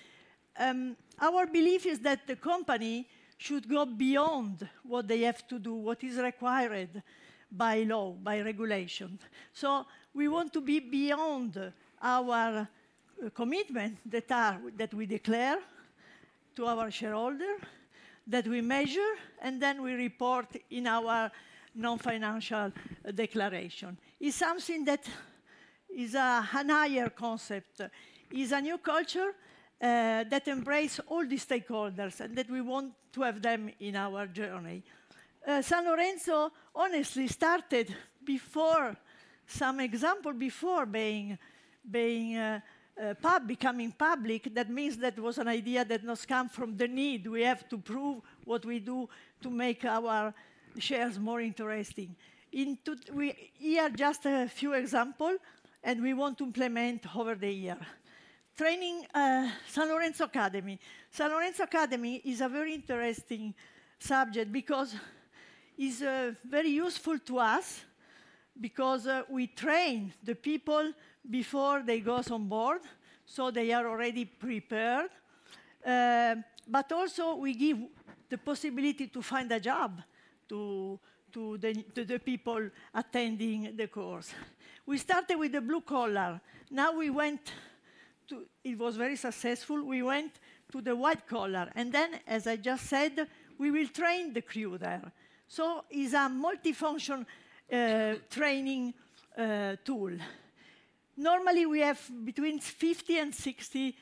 Our belief is that the company should go beyond what they have to do, what is required by law, by regulations. We want to be beyond our commitments that are, that we declare to our shareholder, that we measure, and then we report in our non-financial declaration. It's something that is an higher concept. Is a new culture that embrace all the stakeholders and that we want to have them in our journey. Sanlorenzo honestly started before some example, before being becoming public. That means that was an idea that must come from the need. We have to prove what we do to make our shares more interesting. Here just a few example, and we want to implement over the year. Training, Sanlorenzo Academy. Sanlorenzo Academy is a very interesting subject because is very useful to us because we train the people before they goes on board, so they are already prepared. Also we give the possibility to find a job to the people attending the course. We started with the blue collar. It was very successful. We went to the white collar. As I just said, we will train the crew there. Is a multifunction training tool. Normally, we have between 50 and 60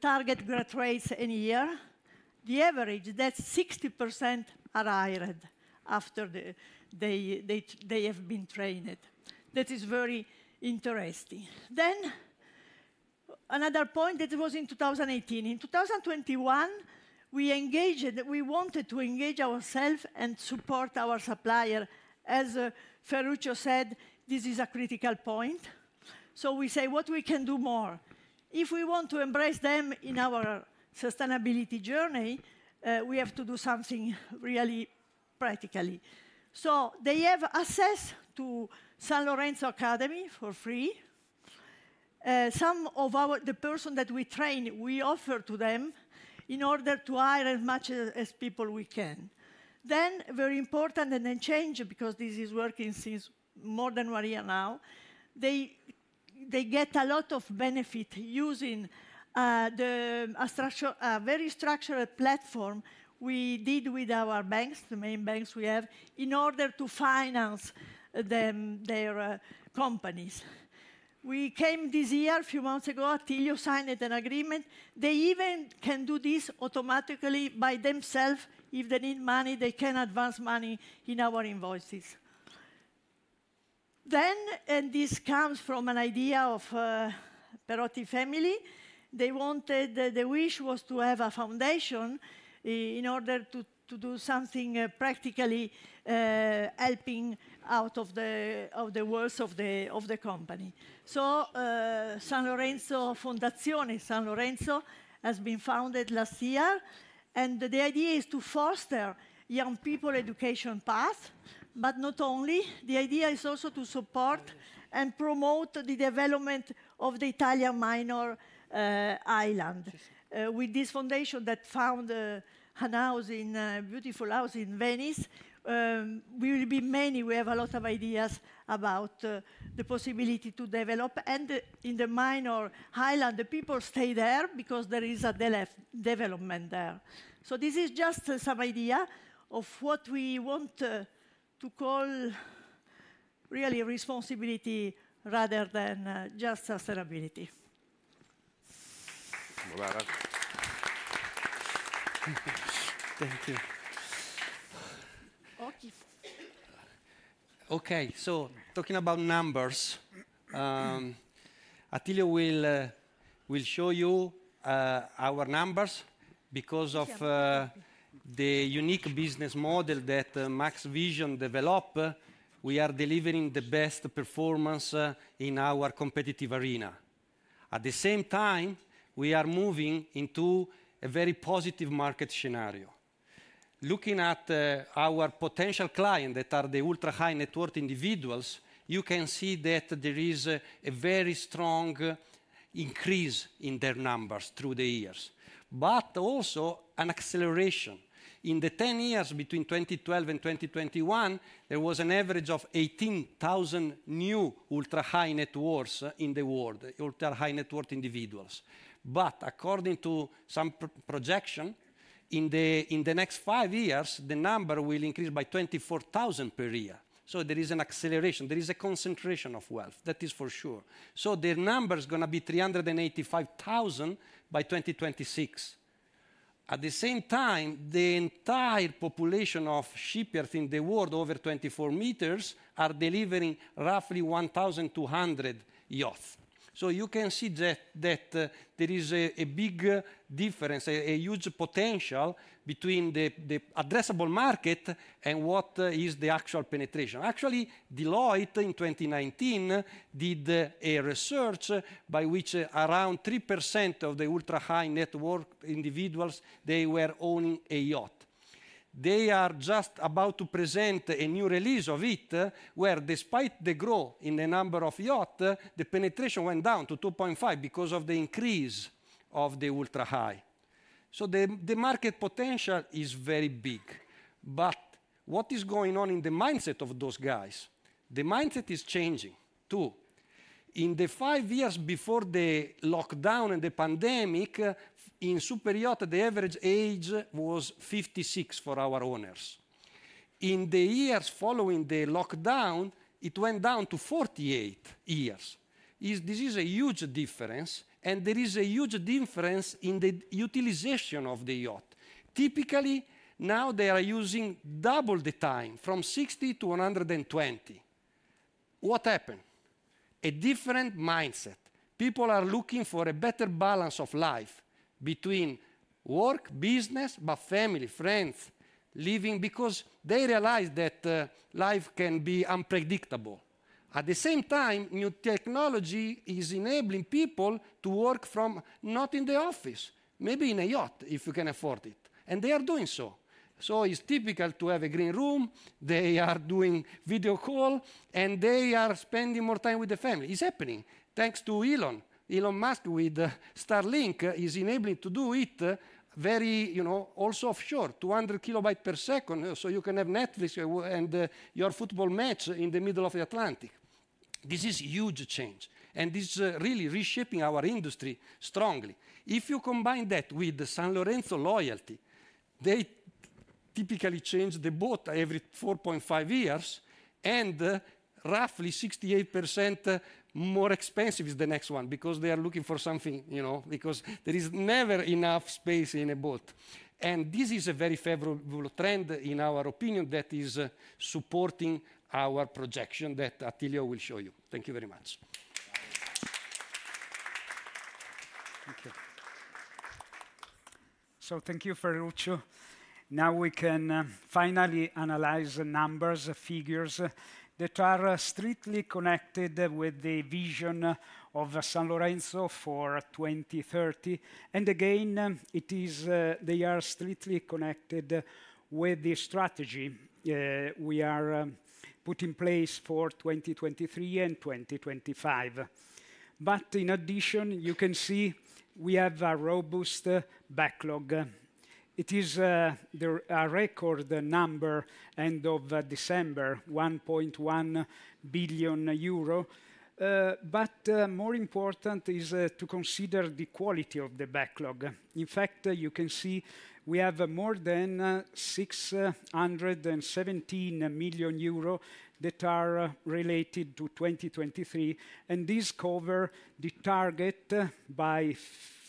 target graduates in a year. The average, that 60% are hired after they have been trained. That is very interesting. Another point. That was in 2018. In 2021, we engaged. We wanted to engage ourself and support our supplier. As Ferruccio said, this is a critical point. We say, "What we can do more?" If we want to embrace them in our sustainability journey, we have to do something really practically. They have access to Sanlorenzo Academy for free. Some of our, the person that we train, we offer to them in order to hire as much as people we can. Very important, change because this is working since more than 1 year now. They get a lot of benefit using a very structural platform we did with our banks, the main banks we have, in order to finance them, their companies. We came this year, a few months ago, Attilio signed an agreement. They even can do this automatically by themselves. If they need money, they can advance money in our invoices. This comes from an idea of the Perotti family, the wish was to have a foundation in order to do something practically helping out of the works of the company. Fondazione Sanlorenzo has been founded last year, the idea is to foster young people education path, but not only. The idea is also to support and promote the development of the Italian minor island. With this foundation that found a house in beautiful house in Venice, we will be many. We have a lot of ideas about the possibility to develop. In the minor island, the people stay there because there is a development there. This is just some idea of what we want to call really responsibility rather than just sustainability. Thank you. Okay. Okay. Talking about numbers, Attilio will show you our numbers. Because of the unique business model that Massimo Perotti develop, we are delivering the best performance in our competitive arena. At the same time, we are moving into a very positive market scenario. Looking at our potential client that are the ultra-high-net-worth individuals, you can see that there is a very strong increase in their numbers through the years, but also an acceleration. In the 10 years between 2012 and 2021, there was an average of 18,000 new ultra-high-net-worths in the world, ultra-high-net-worth individuals. According to some projection, in the next 5 years, the number will increase by 24,000 per year, so there is an acceleration. There is a concentration of wealth, that is for sure. The number's gonna be 385,000 by 2026. At the same time, the entire population of shipyards in the world over 24 meters are delivering roughly 1,200 yacht. You can see that there is a big difference, a huge potential between the addressable market and what is the actual penetration. Actually, Deloitte in 2019 did a research by which around 3% of the ultra-high-net-worth individuals, they were owning a yacht. They are just about to present a new release of it, where despite the growth in the number of yacht, the penetration went down to 2.5% because of the increase of the ultra-high. The market potential is very big. What is going on in the mindset of those guys? The mindset is changing too. In the five years before the lockdown and the pandemic, in superyacht, the average age was 56 for our owners. In the years following the lockdown, it went down to 48 years. This is a huge difference, and there is a huge difference in the utilization of the yacht. Typically, now they are using double the time, from 60 to 120. What happened? A different mindset. People are looking for a better balance of life between work, business, but family, friends, living, because they realize that life can be unpredictable. At the same time, new technology is enabling people to work from not in the office, maybe in a yacht, if you can afford it, and they are doing so. It's typical to have a green room. They are doing video call and they are spending more time with the family. It's happening. Thanks to Elon. Elon Musk with Starlink is enabling to do it very, you know, also offshore, 200 kilobyte per second, so you can have Netflix and your football match in the middle of the Atlantic. This is huge change. This really reshaping our industry strongly. If you combine that with the Sanlorenzo loyalty, they typically change the boat every 4.5 years, and roughly 68% more expensive is the next one because they are looking for something, you know, because there is never enough space in a boat. This is a very favorable trend in our opinion that is supporting our projection that Attilio will show you. Thank you very much. Thank you. Thank you, Ferruccio. Now we can finally analyze the numbers, figures that are strictly connected with the vision of Sanlorenzo for 2030. Again, they are strictly connected with the strategy we are put in place for 2023 and 2025. In addition, you can see we have a robust backlog. It is a record number end of December, 1.1 billion euro. More important is to consider the quality of the backlog. In fact, you can see we have more than 617 million euro that are related to 2023 and these cover the target by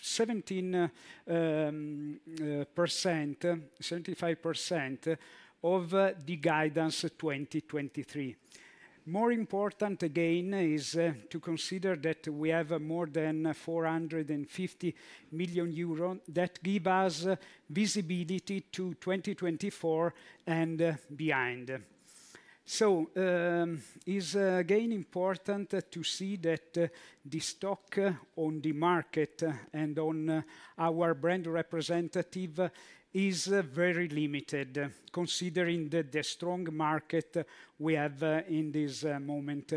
75% of the guidance 2023. More important again is to consider that we have more than 450 million euro that give us visibility to 2024 and behind. Is again important to see that the stock on the market and on our brand representative is very limited considering the strong market we have in this moment.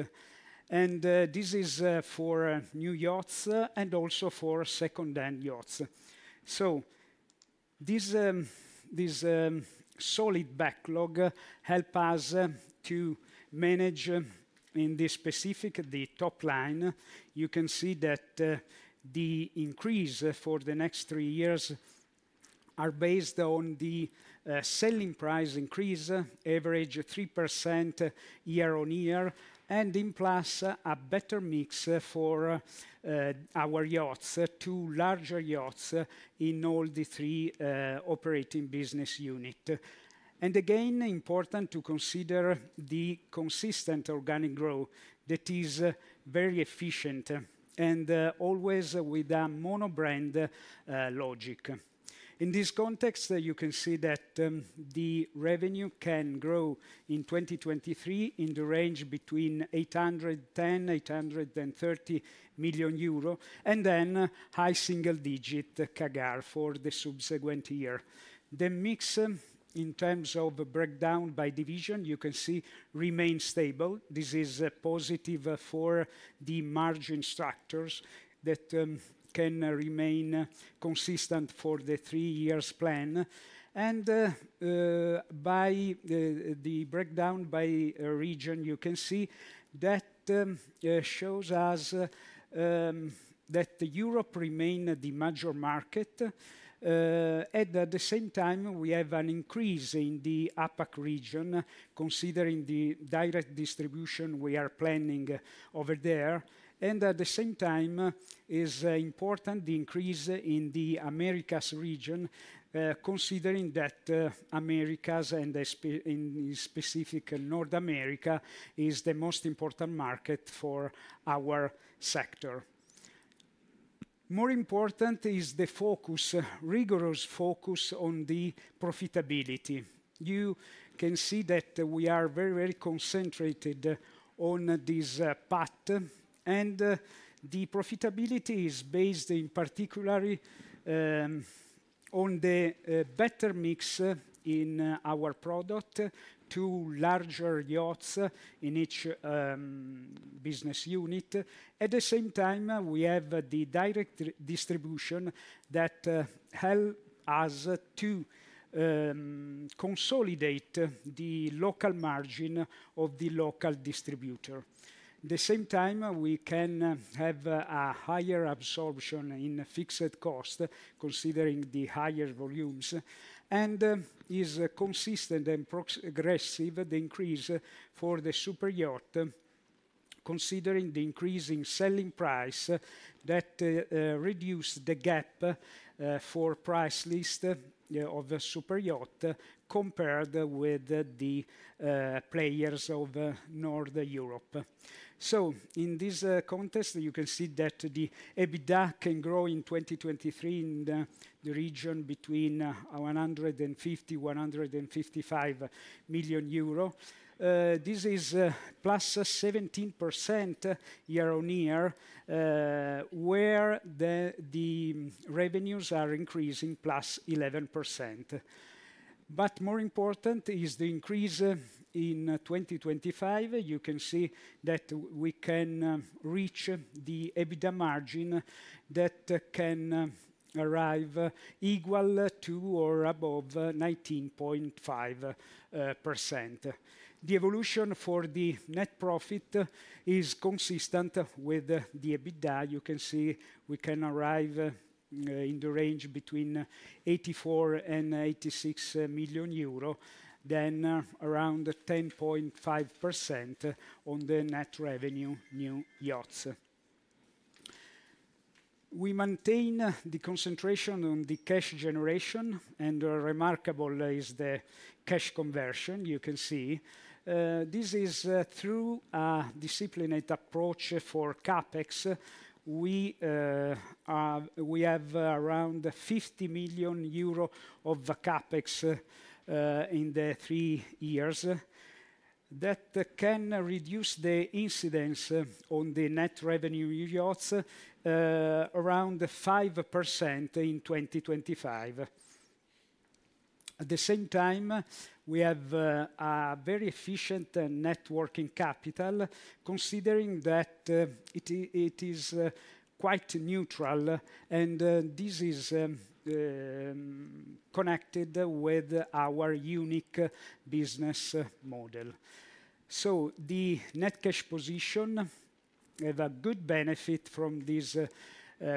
This is for new yachts and also for second-hand yachts. This solid backlog help us to manage in this specific, the top line. You can see that the increase for the next three years are based on the selling price increase, average 3% year-on-year. In plus a better mix for our yachts to larger yachts in all the three operating business unit. Again, important to consider the consistent organic growth that is very efficient and always with a mono-brand logic. In this context, you can see that the revenue can grow in 2023 in the range between 810 million-830 million euro. Then high single digit CAGR for the subsequent year. The mix in terms of breakdown by division, you can see remain stable. This is positive for the margin structures that can remain consistent for the three years plan. By the breakdown by region, you can see that shows us that Europe remain the major market. At the same time, we have an increase in the APAC region considering the direct distribution we are planning over there. At the same time is important the increase in the Americas region, considering that Americas and in specific North America is the most important market for our sector. More important is the focus, rigorous focus on the profitability. You can see that we are very, very concentrated on this path. The profitability is based in particular on the better mix in our product to larger yachts in each business unit. At the same time, we have the direct distribution that help us to consolidate the local margin of the local distributor. The same time, we can have a higher absorption in fixed costs considering the higher volumes. Is consistent and aggressive the increase for the superyacht considering the increasing selling price that reduce the gap for price list, yeah, of the superyacht compared with the players of North Europe. In this context, you can see that the EBITDA can grow in 2023 in the region between 150 million-155 million euro. This is +17% year-on-year, where the revenues are increasing +11%. More important is the increase in 2025. You can see that we can reach the EBITDA margin that can arrive equal to or above 19.5%. The evolution for the net profit is consistent with the EBITDA. You can see we can arrive in the range between 84 million-86 million euro. Around 10.5% on the net revenue new yachts. We maintain the concentration on the cash generation and remarkable is the cash conversion. You can see, this is through a disciplined approach for CapEx. We have around 50 million euro of CapEx in the 3 years. Can reduce the incidence on the net revenue yachts, around 5% in 2025. At the same time, we have a very efficient networking capital considering that it is quite neutral and this is connected with our unique business model. The net cash position have a good benefit from this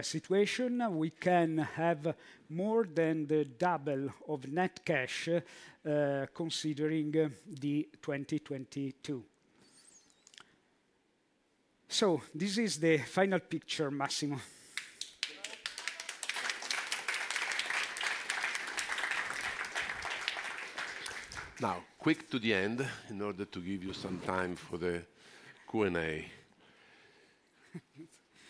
situation. We can have more than the double of net cash, considering the 2022. This is the final picture, Massimo. Quick to the end in order to give you some time for the Q&A.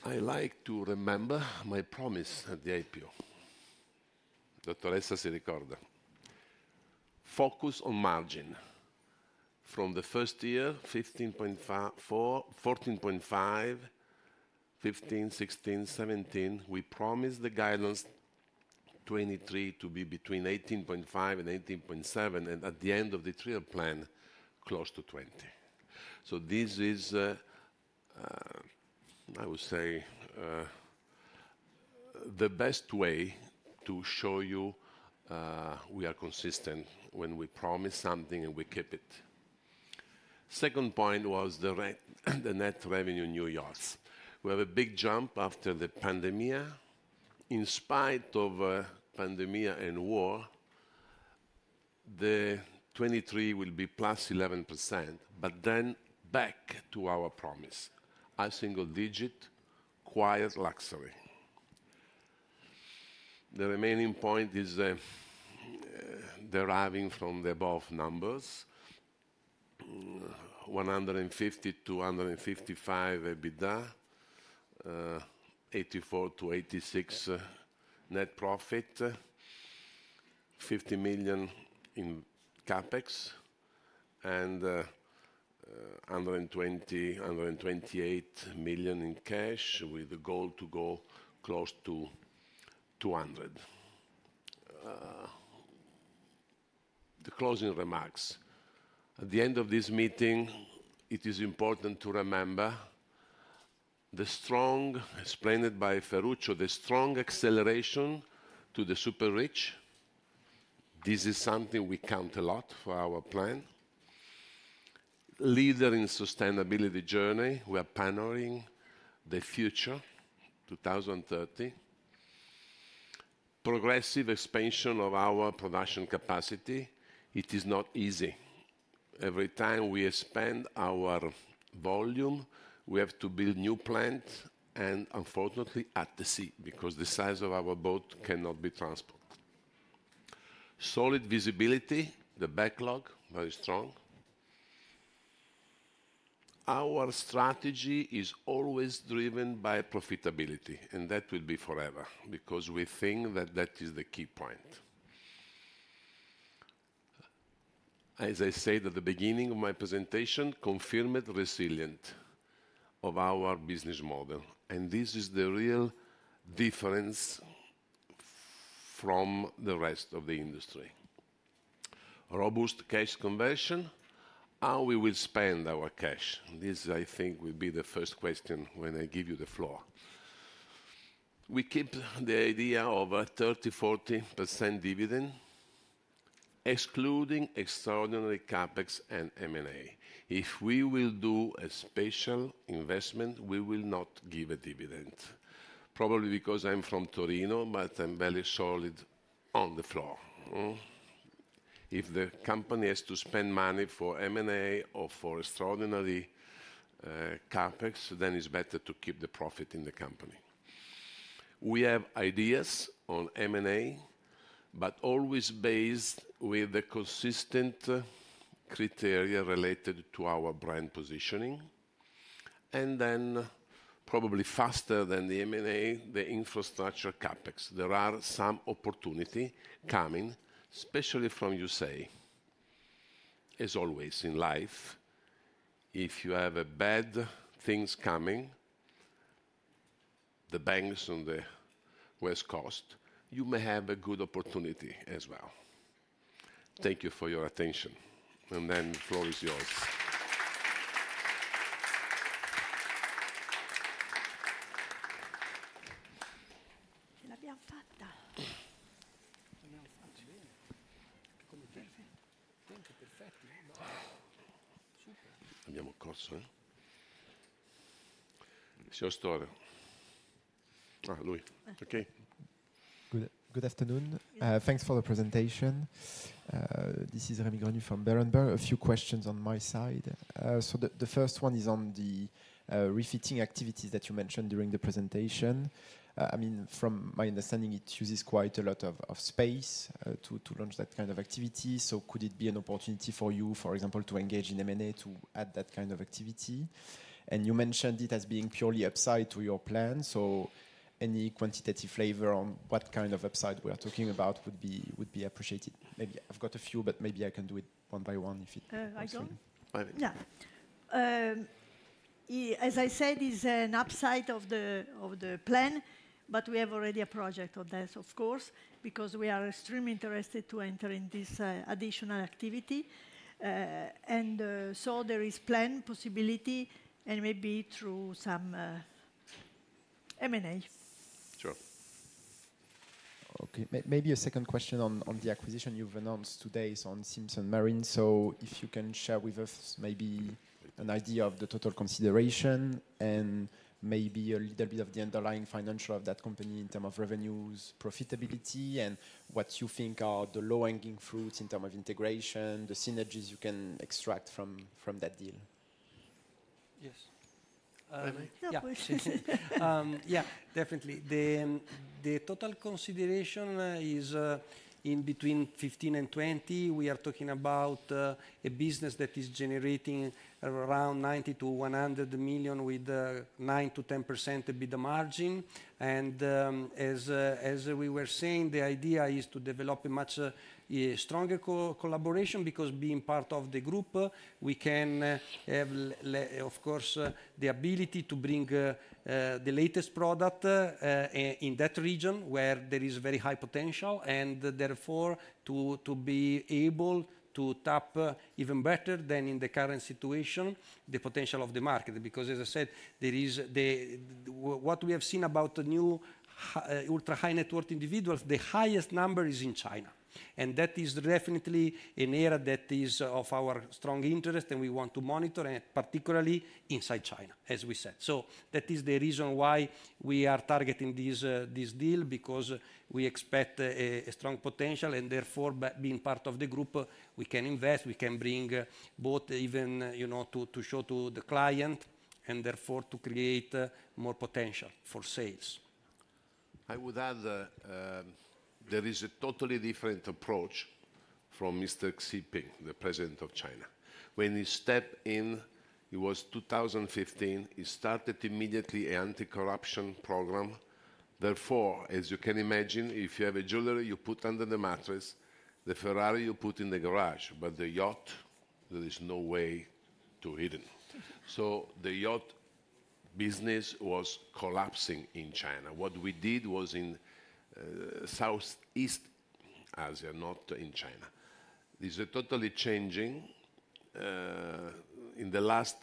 I like to remember my promise at the IPO. Dottoressa si ricorda. Focus on margin. From the first year, 14.5%, 15%, 16%, 17%, we promised the guidance 2023 to be between 18.5% and 18.7%, and at the end of the trio plan, close to 20%. This is, I would say, the best way to show you, we are consistent when we promise something and we keep it. Second point was the net revenue new yachts. We have a big jump after the pandemic. In spite of pandemic and war, the 2023 will be +11%, back to our promise, a single-digit quiet luxury. The remaining point is deriving from the above numbers, 150-155 EBITDA. 84-86 net profit. 50 million in CapEx. 120-128 million in cash, with the goal to go close to 200. The closing remarks. At the end of this meeting, it is important to remember the strong, explained by Ferruccio, the strong acceleration to the super rich. This is something we count a lot for our plan. Leader in sustainability journey. We are paneling the future, 2030. Progressive expansion of our production capacity. It is not easy. Every time we expand our volume, we have to build new plant and unfortunately at the sea, because the size of our boat cannot be transported. Solid visibility, the backlog, very strong. Our strategy is always driven by profitability, and that will be forever because we think that that is the key point. As I said at the beginning of my presentation, confirmed resilient of our business model, and this is the real difference from the rest of the industry. Robust cash conversion. How we will spend our cash? This I think will be the first question when I give you the floor. We keep the idea of a 30%-40% dividend, excluding extraordinary CapEx and M&A. If we will do a special investment, we will not give a dividend. Probably because I'm from Torino but I'm very solid on the floor. If the company has to spend money for M&A or for extraordinary CapEx, then it's better to keep the profit in the company. We have ideas on M&A, always based with the consistent criteria related to our brand positioning. Probably faster than the M&A, the infrastructure CapEx. There are some opportunity coming, especially from USA. As always in life, if you have a bad things coming, the banks on the West Coast, you may have a good opportunity as well. Thank you for your attention, the floor is yours. Ce l'abbiam fatta. L'abbiam fatta. Bene.Con il tempo? Tempo perfetto, no? Super. Abbiamo corso. Signor Storer. Lui. Okay. Good afternoon. Thanks for the presentation. This is Remi Grenu from Berenberg. A few questions on my side. The first one is on the refitting activities that you mentioned during the presentation. I mean, from my understanding, it uses quite a lot of space to launch that kind of activity. Could it be an opportunity for you, for example, to engage in M&A to add that kind of activity? You mentioned it as being purely upside to your plan. Any quantitative flavor on what kind of upside we are talking about would be appreciated. Maybe I've got a few, but maybe I can do it one by one if it- I go? Vai. As I said, it's an upside of the plan. We have already a project on this of course, because we are extremely interested to enter in this additional activity. There is plan possibility and maybe through some M&A. Sure. Okay. Maybe a second question on the acquisition you've announced today is on Simpson Marine. If you can share with us maybe an idea of the total consideration and maybe a little bit of the underlying financial of that company in term of revenues, profitability, and what you think are the low-hanging fruits in term of integration, the synergies you can extract from that deal? Yes. No questions. Definitely. The total consideration is in between 15 million and 20 million. We are talking about a business that is generating around 90 million to 100 million with a 9%-10% EBITDA margin. As we were saying, the idea is to develop a much stronger collaboration because being part of the group, we can have of course the ability to bring the latest product in that region where there is very high potential and therefore to be able to tap even better than in the current situation, the potential of the market. Because as I said, there is the... What we have seen about the new ultra-high-net-worth individuals, the highest number is in China, and that is definitely an area that is of our strong interest, and we want to monitor and particularly inside China, as we said. That is the reason why we are targeting this deal because we expect a strong potential and therefore by being part of the group, we can invest, we can bring both even, you know, to show to the client and therefore to create more potential for sales. I would add that, there is a totally different approach from Mr. Xi Jinping, the President of China. When he stepped in, it was 2015, he started immediately an anti-corruption program. As you can imagine, if you have a jewelry, you put under the mattress, the Ferrari you put in the garage, but the yacht, there is no way to hide it. The yacht business was collapsing in China. We did was in Southeast Asia, not in China. This is totally changing. In the last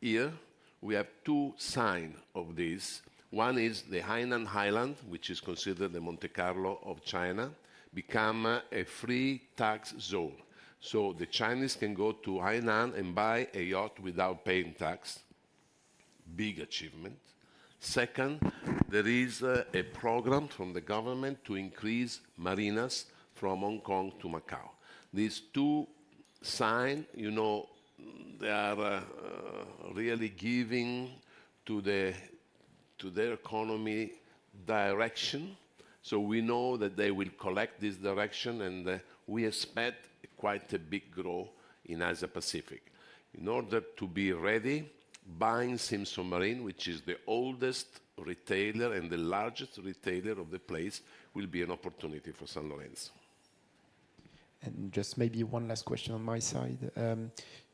year, we have two sign of this. One is the Hainan Island, which is considered the Monte Carlo of China, become a free tax zone. The Chinese can go to Hainan and buy a yacht without paying tax. Big achievement. Second, there is a program from the government to increase marinas from Hong Kong to Macau. These two sign, you know, they are really giving to their economy direction. We know that they will collect this direction and we expect quite a big growth in Asia Pacific. In order to be ready, buying Simpson Marine, which is the oldest retailer and the largest retailer of the place, will be an opportunity for Sanlorenzo. Just maybe one last question on my side.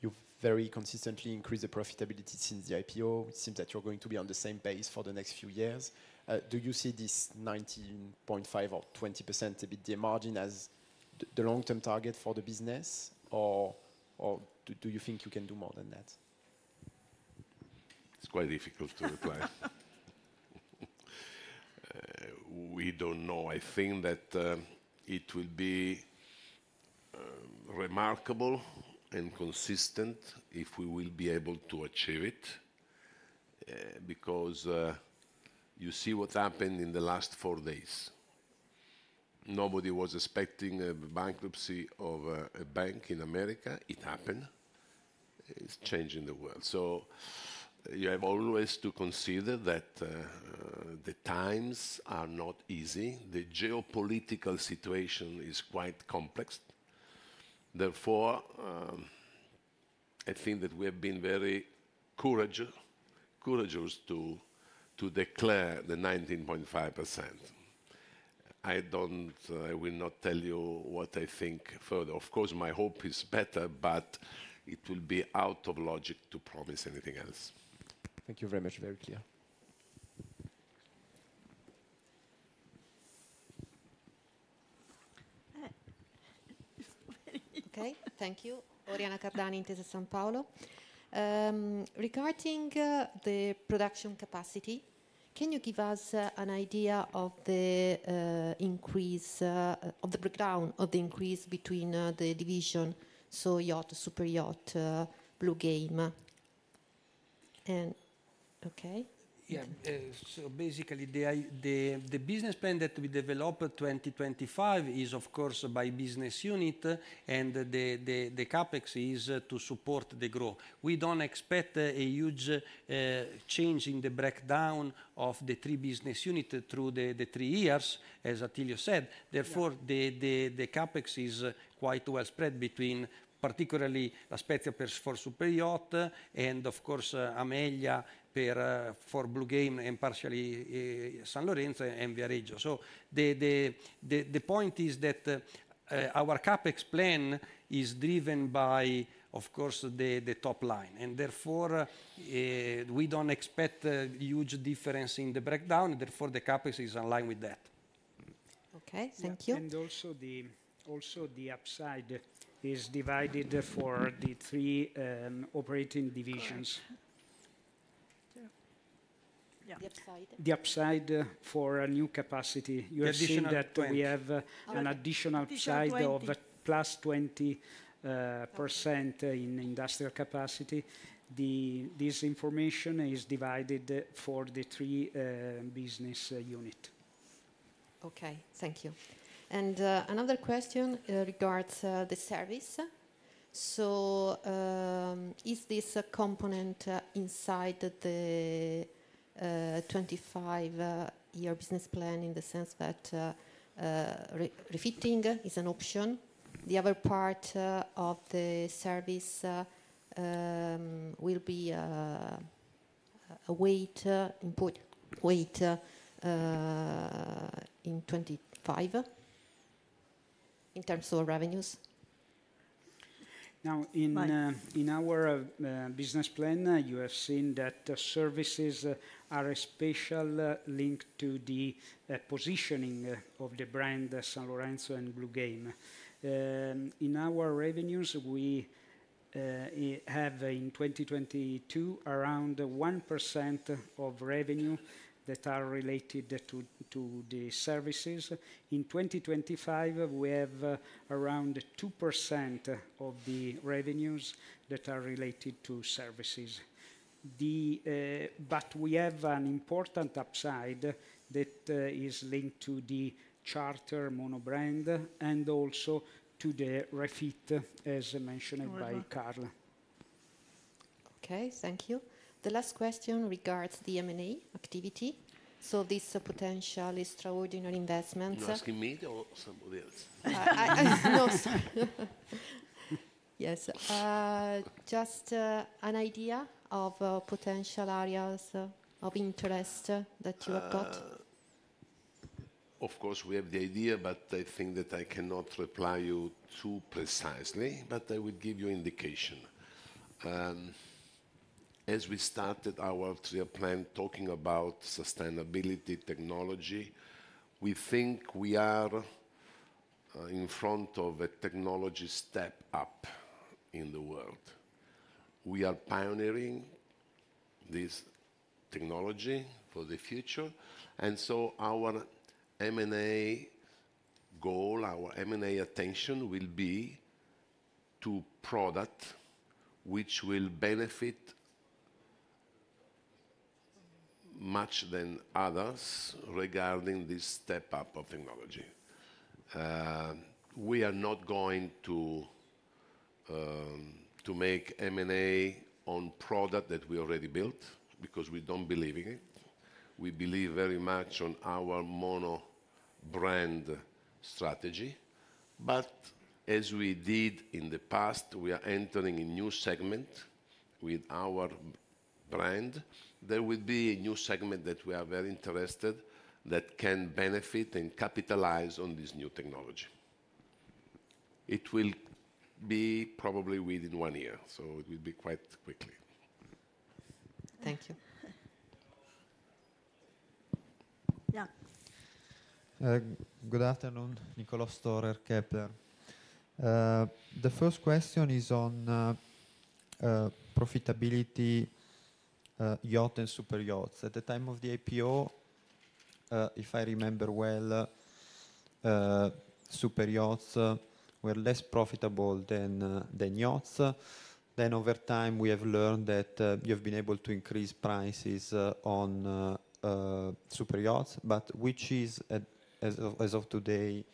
You've very consistently increased the profitability since the IPO. It seems that you're going to be on the same pace for the next few years. Do you see this 19.5% or 20% EBITDA margin as the long-term target for the business or do you think you can do more than that? It's quite difficult to reply. We don't know. I think that it will be remarkable and consistent if we will be able to achieve it because you see what happened in the last four days. Nobody was expecting a bankruptcy of a bank in America. It happened. It's changing the world. You have always to consider that the times are not easy. The geopolitical situation is quite complex. I think that we have been very courageous to declare the 19.5%. I will not tell you what I think further. Of course, my hope is better, but it will be out of logic to promise anything else. Thank you very much. Very clear. Okay. Thank you. Oriana Cardani, Intesa Sanpaolo. Regarding the production capacity, can you give us an idea of the increase of the breakdown of the increase between the division, so yacht, super yacht, Bluegame? Okay. Basically the business plan that we developed, 2025 is of course by business unit and the CapEx is to support the growth. We don't expect a huge change in the breakdown of the 3 business unit through the three years, as Attilio said. Yeah. Therefore, the CapEx is quite well spread between particularly La Spezia for superyacht and of course, Ameglia for Bluegame and partially, Sanlorenzo and Viareggio. The point is that our CapEx plan is driven by, of course, the top line, therefore, we don't expect a huge difference in the breakdown, therefore the CapEx is in line with that. Okay. Thank you. Yeah. Also the upside is divided for the three operating divisions. Correct. Yeah. Yeah. The upside? The upside for a new capacity. Additional 20. You have seen that we have. Additional 20. Side of plus 20% in industrial capacity. This information is divided for the three business unit. Okay, thank you. Another question regards the service. Is this a component inside the 25-year business plan in the sense that re-refitting is an option? The other part of the service will be a weight input weight in 25 in terms of revenues? In our business plan, you have seen that the services are a special link to the positioning of the brand Sanlorenzo and Bluegame. In our revenues, we have in 2022 around 1% of revenue that are related to the services. In 2025, we have around 2% of the revenues that are related to services. We have an important upside that is linked to the charter monobrand and also to the refit, as mentioned by Carlo. Okay, thank you. The last question regards the M&A activity. This potential extraordinary investment. You're asking me or somebody else? No, sir. Yes. Just an idea of potential areas of interest that you have got. Of course, we have the idea but I think that I cannot reply you too precisely, but I will give you indication. As we started our three-year plan talking about sustainability technology, we think we are in front of a technology step up in the world. We are pioneering this technology for the future. Our M&A goal, our M&A attention will be to product which will benefit much than others regarding this step up of technology. We are not going to make M&A on product that we already built because we don't believe in it. We believe very much on our mono-brand strategy. As we did in the past, we are entering a new segment with our brand. There will be a new segment that we are very interested that can benefit and capitalize on this new technology. It will be probably within one year. It will be quite quickly. Thank you. Yeah. Good afternoon. Niccolò Storer Kepler. The first question is on profitability, yacht and superyachts. At the time of the IPO, if I remember well, superyachts were less profitable than yachts. Over time, we have learned that you have been able to increase prices on superyachts, but which is as of today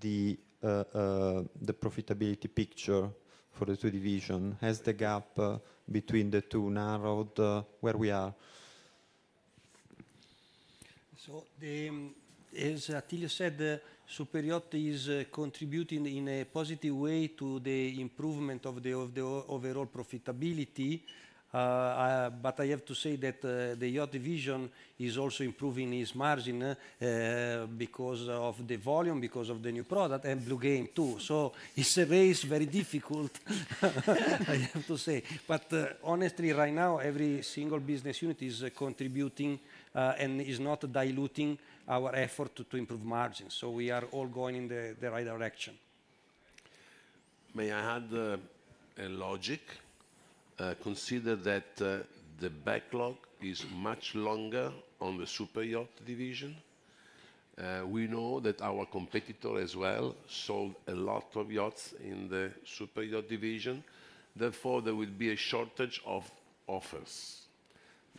the profitability picture for the two division? Has the gap between the two narrowed? Where we are? As Attilio said, the superyacht is contributing in a positive way to the improvement of the overall profitability. But I have to say that the yacht division is also improving its margin because of the volume, because of the new product and Bluegame too. It's a race, very difficult, I have to say. Honestly, right now, every single business unit is contributing and is not diluting our effort to improve margins. We are all going in the right direction. May I add a logic? Consider that the backlog is much longer on the superyacht division. We know that our competitor as well sold a lot of yachts in the superyacht division. There will be a shortage of offers.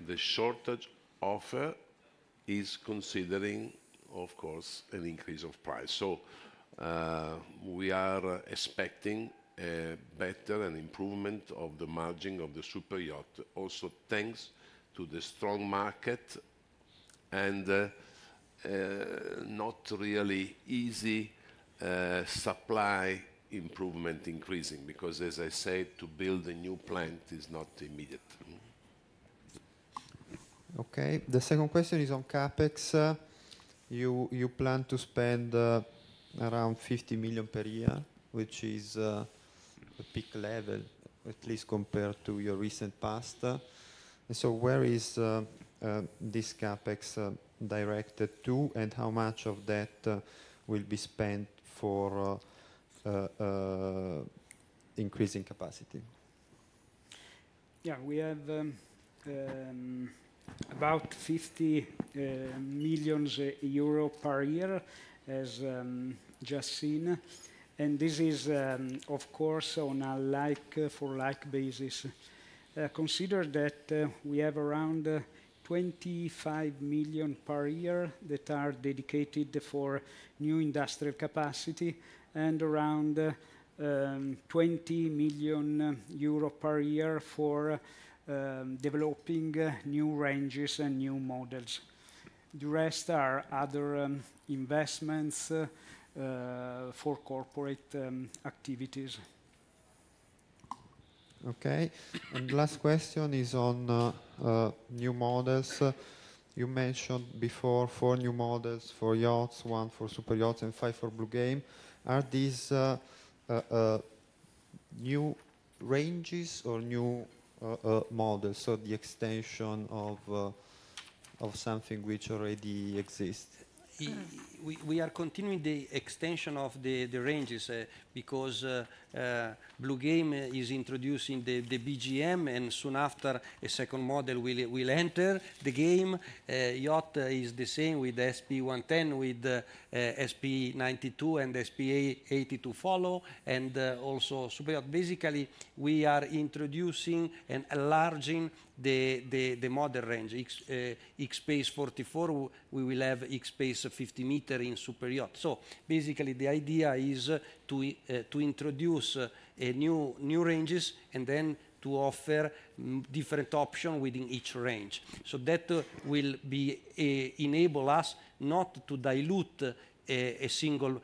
The shortage offer is considering, of course, an increase of price. We are expecting a better and improvement of the margin of the superyacht also thanks to the strong market and not really easy supply improvement increasing because, as I said, to build a new plant is not immediate. Okay. The second question is on CapEx. You plan to spend around 50 million per year, which is a peak level, at least compared to your recent past. Where is this CapEx directed to, and how much of that will be spent for increasing capacity? Yeah. We have about 50 million euro per year, as just seen. This is of course, on a like for like basis. Consider that we have around 25 million per year that are dedicated for new industrial capacity and around 20 million euro per year for developing new ranges and new models. The rest are other investments for corporate activities. Okay. Last question is on new models. You mentioned before four new models for yachts, one for super yachts, and five for Bluegame. Are these new ranges or new models, so the extension of something which already exists? We are continuing the extension of the ranges because Bluegame is introducing the BGM, and soon after, a second model will enter the game. Yacht is the same with SP 110, with SP 92 and SP 80 to follow and also superyacht. Basically, we are introducing and enlarging the model range. X-Space 44, we will have X-Space 50 meter in superyacht. Basically, the idea is to introduce new ranges and then to offer different option within each range. That will enable us not to dilute a single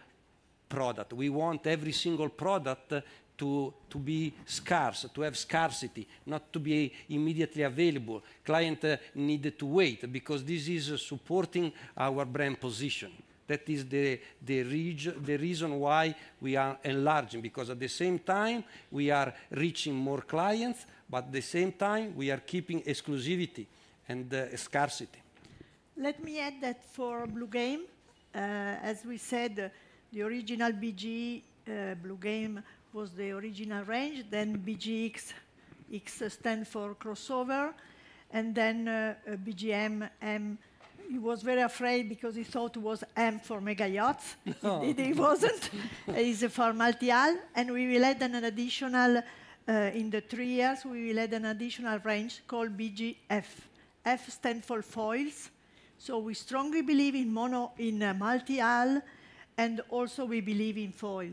product. We want every single product to be scarce, to have scarcity, not to be immediately available. Client need to wait because this is supporting our brand position. That is the reason why we are enlarging, because at the same time we are reaching more clients, but at the same time we are keeping exclusivity and scarcity. Let me add that for Bluegame, as we said, the original BG, Bluegame was the original range, then BGX, X stand for crossover. Then BGM, M, he was very afraid because he thought it was M for megayachts. It wasn't. It is for multihull. We will add an additional, in the three years, we will add an additional range called BGF. F stand for foils. We strongly believe in multihull, and also we believe in foil.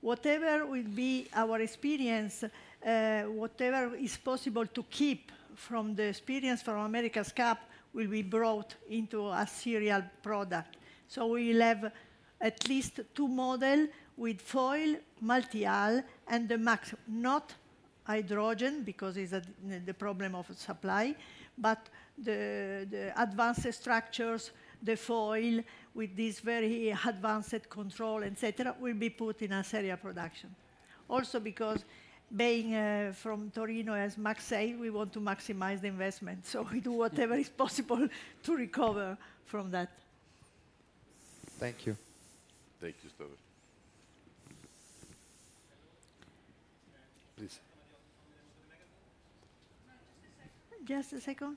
Whatever will be our experience, whatever is possible to keep from the experience from America's Cup will be brought into a serial product. We will have at least two model with foil multihull and the max. Not hydrogen, because it's a problem of supply, but the advanced structures, the foil with this very advanced control, et cetera, will be put in a serial production. Because being from Torino, as Max say, we want to maximize the investment, so we do whatever is possible to recover from that. Thank you. Thank you. Just a second.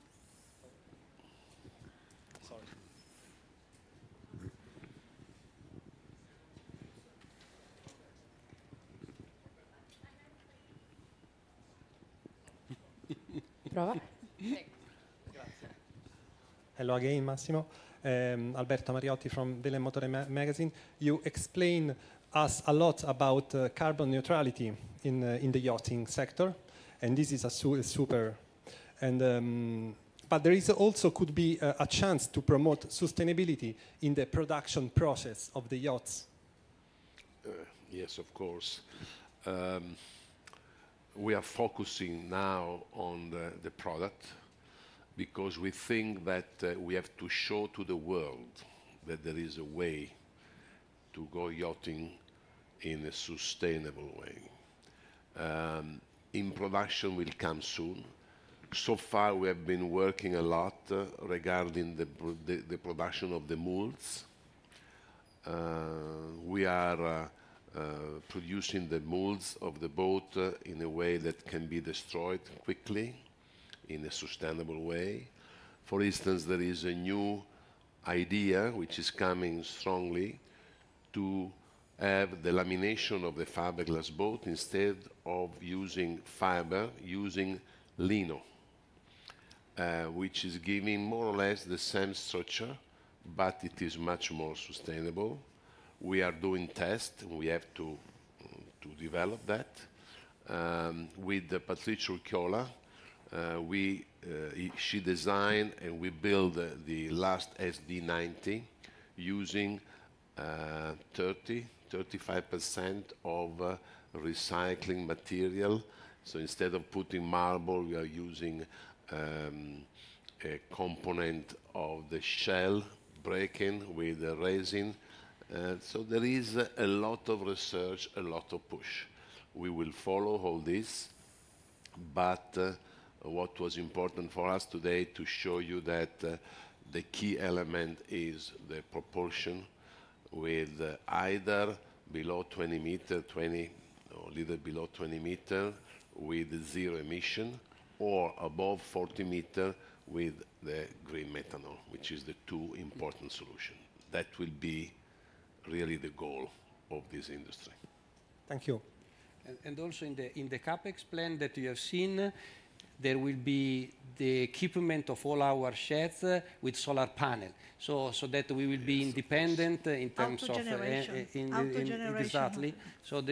Prova? Grazie. Hello again, Massimo. Alberto Mariotti from Vela e Motore Magazine. You explained us a lot about carbon neutrality in the yachting sector. There is also could be a chance to promote sustainability in the production process of the yachts. Yes, of course. We are focusing now on the product because we think that we have to show to the world that there is a way to go yachting in a sustainable way. In production will come soon. So far, we have been working a lot regarding the production of the molds. We are producing the molds of the boat in a way that can be destroyed quickly in a sustainable way. For instance, there is a new idea which is coming strongly to have the lamination of the fiberglass boat, instead of using fiber, using lino, which is giving more or less the same structure, but it is much more sustainable. We are doing tests, and we have to develop that. With Patricia Urquiola, we - she designed and we build the last SD90 using 30%-35% of recycling material. Instead of putting marble, we are using a component of the shell, breaking with resin. There is a lot of research, a lot of push. We will follow all this, what was important for us today to show you that the key element is the proportion with either below 20 meter, 20 or little below 20 meter with zero emission or above 40 meter with the green methanol, which is the two important solution. That will be really the goal of this industry. Thank you. Also in the CapEx plan that you have seen, there will be the equipment of all our sheds with solar panel, so that we will be independent. Autogeneration. Exactly.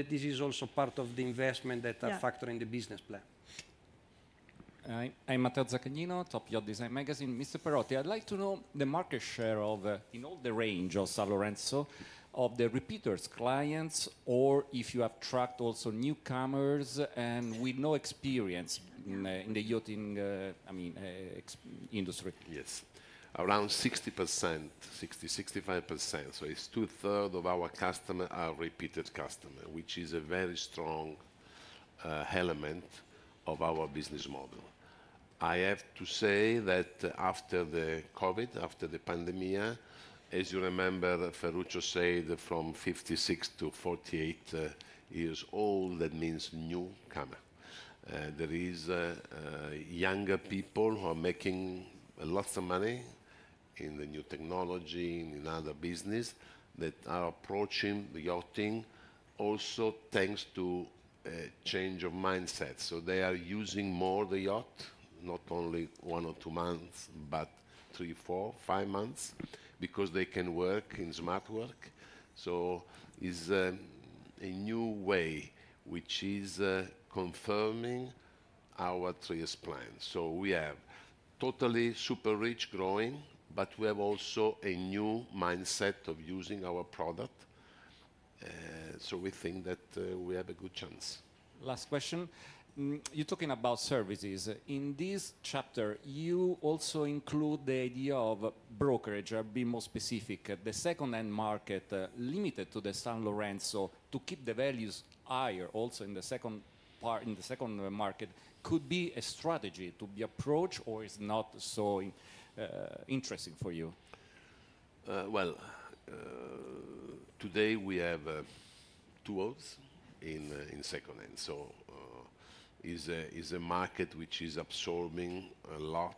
This is also part of the investment that are factor in the business plan. Yeah. I'm Matteo Zaccagnino, Top Yacht Design Magazine. Mr. Perotti, I'd like to know the market share of, in all the range of Sanlorenzo, of the repeaters clients or if you attract also newcomers and with no experience in the yachting, I mean, industry? Yes. Around 60%, 60, 65%, it's two-third of our customer are repeated customer, which is a very strong element of our business model. I have to say that after the COVID, after the pandemic, as you remember, Ferruccio said from 56 to 48 years old, that means newcomer. There is younger people who are making lots of money in the new technology, in other business, that are approaching the yachting also thanks to a change of mindset, they are using more the yacht, not only one or two months, but three, four, five months, because they can work in smart work. Is a new way which is confirming our three-years plan. We have totally super rich growing, but we have also a new mindset of using our product, we think that we have a good chance. Last question. You're talking about services. In this chapter, you also include the idea of brokerage. I'll be more specific. The second-hand market, limited to the Sanlorenzo, to keep the values higher also in the second part, in the second market, could be a strategy to be approached or is not so interesting for you? Well, today we have two yachts in second-hand, so is a market which is absorbing a lot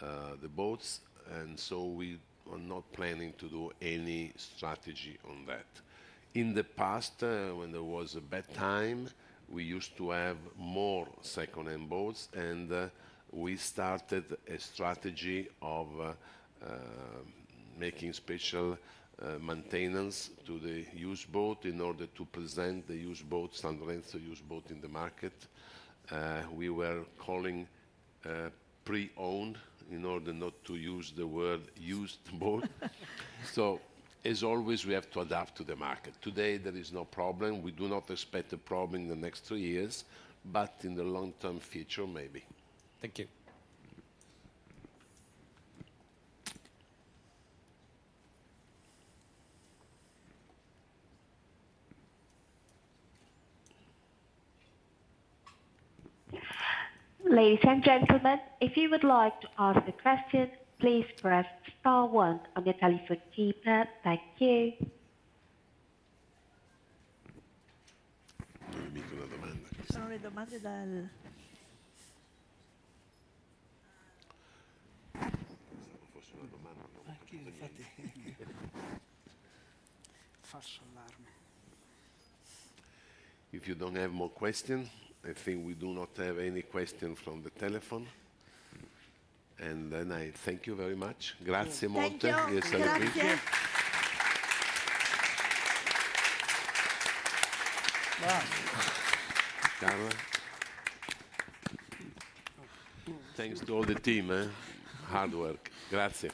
the boats and so we are not planning to do any strategy on that. In the past, when there was a bad time, we used to have more second-hand boats, and we started a strategy of making special maintenance to the used boat in order to present the used boat, Sanlorenzo used boat in the market. We were calling pre-owned in order not to use the word used boat. As always, we have to adapt to the market. Today, there is no problem. We do not expect a problem in the next two years, but in the long-term future, maybe. Thank you. Ladies and gentlemen, if you would like to ask a question, please press star one on your telephone keypad. Thank you. If you don't have more question, I think we do not have any question from the telephone. I thank you very much. Grazie molte. Thank you. Grazie. Carla. Thanks to all the team, eh? Hard work. Grazie.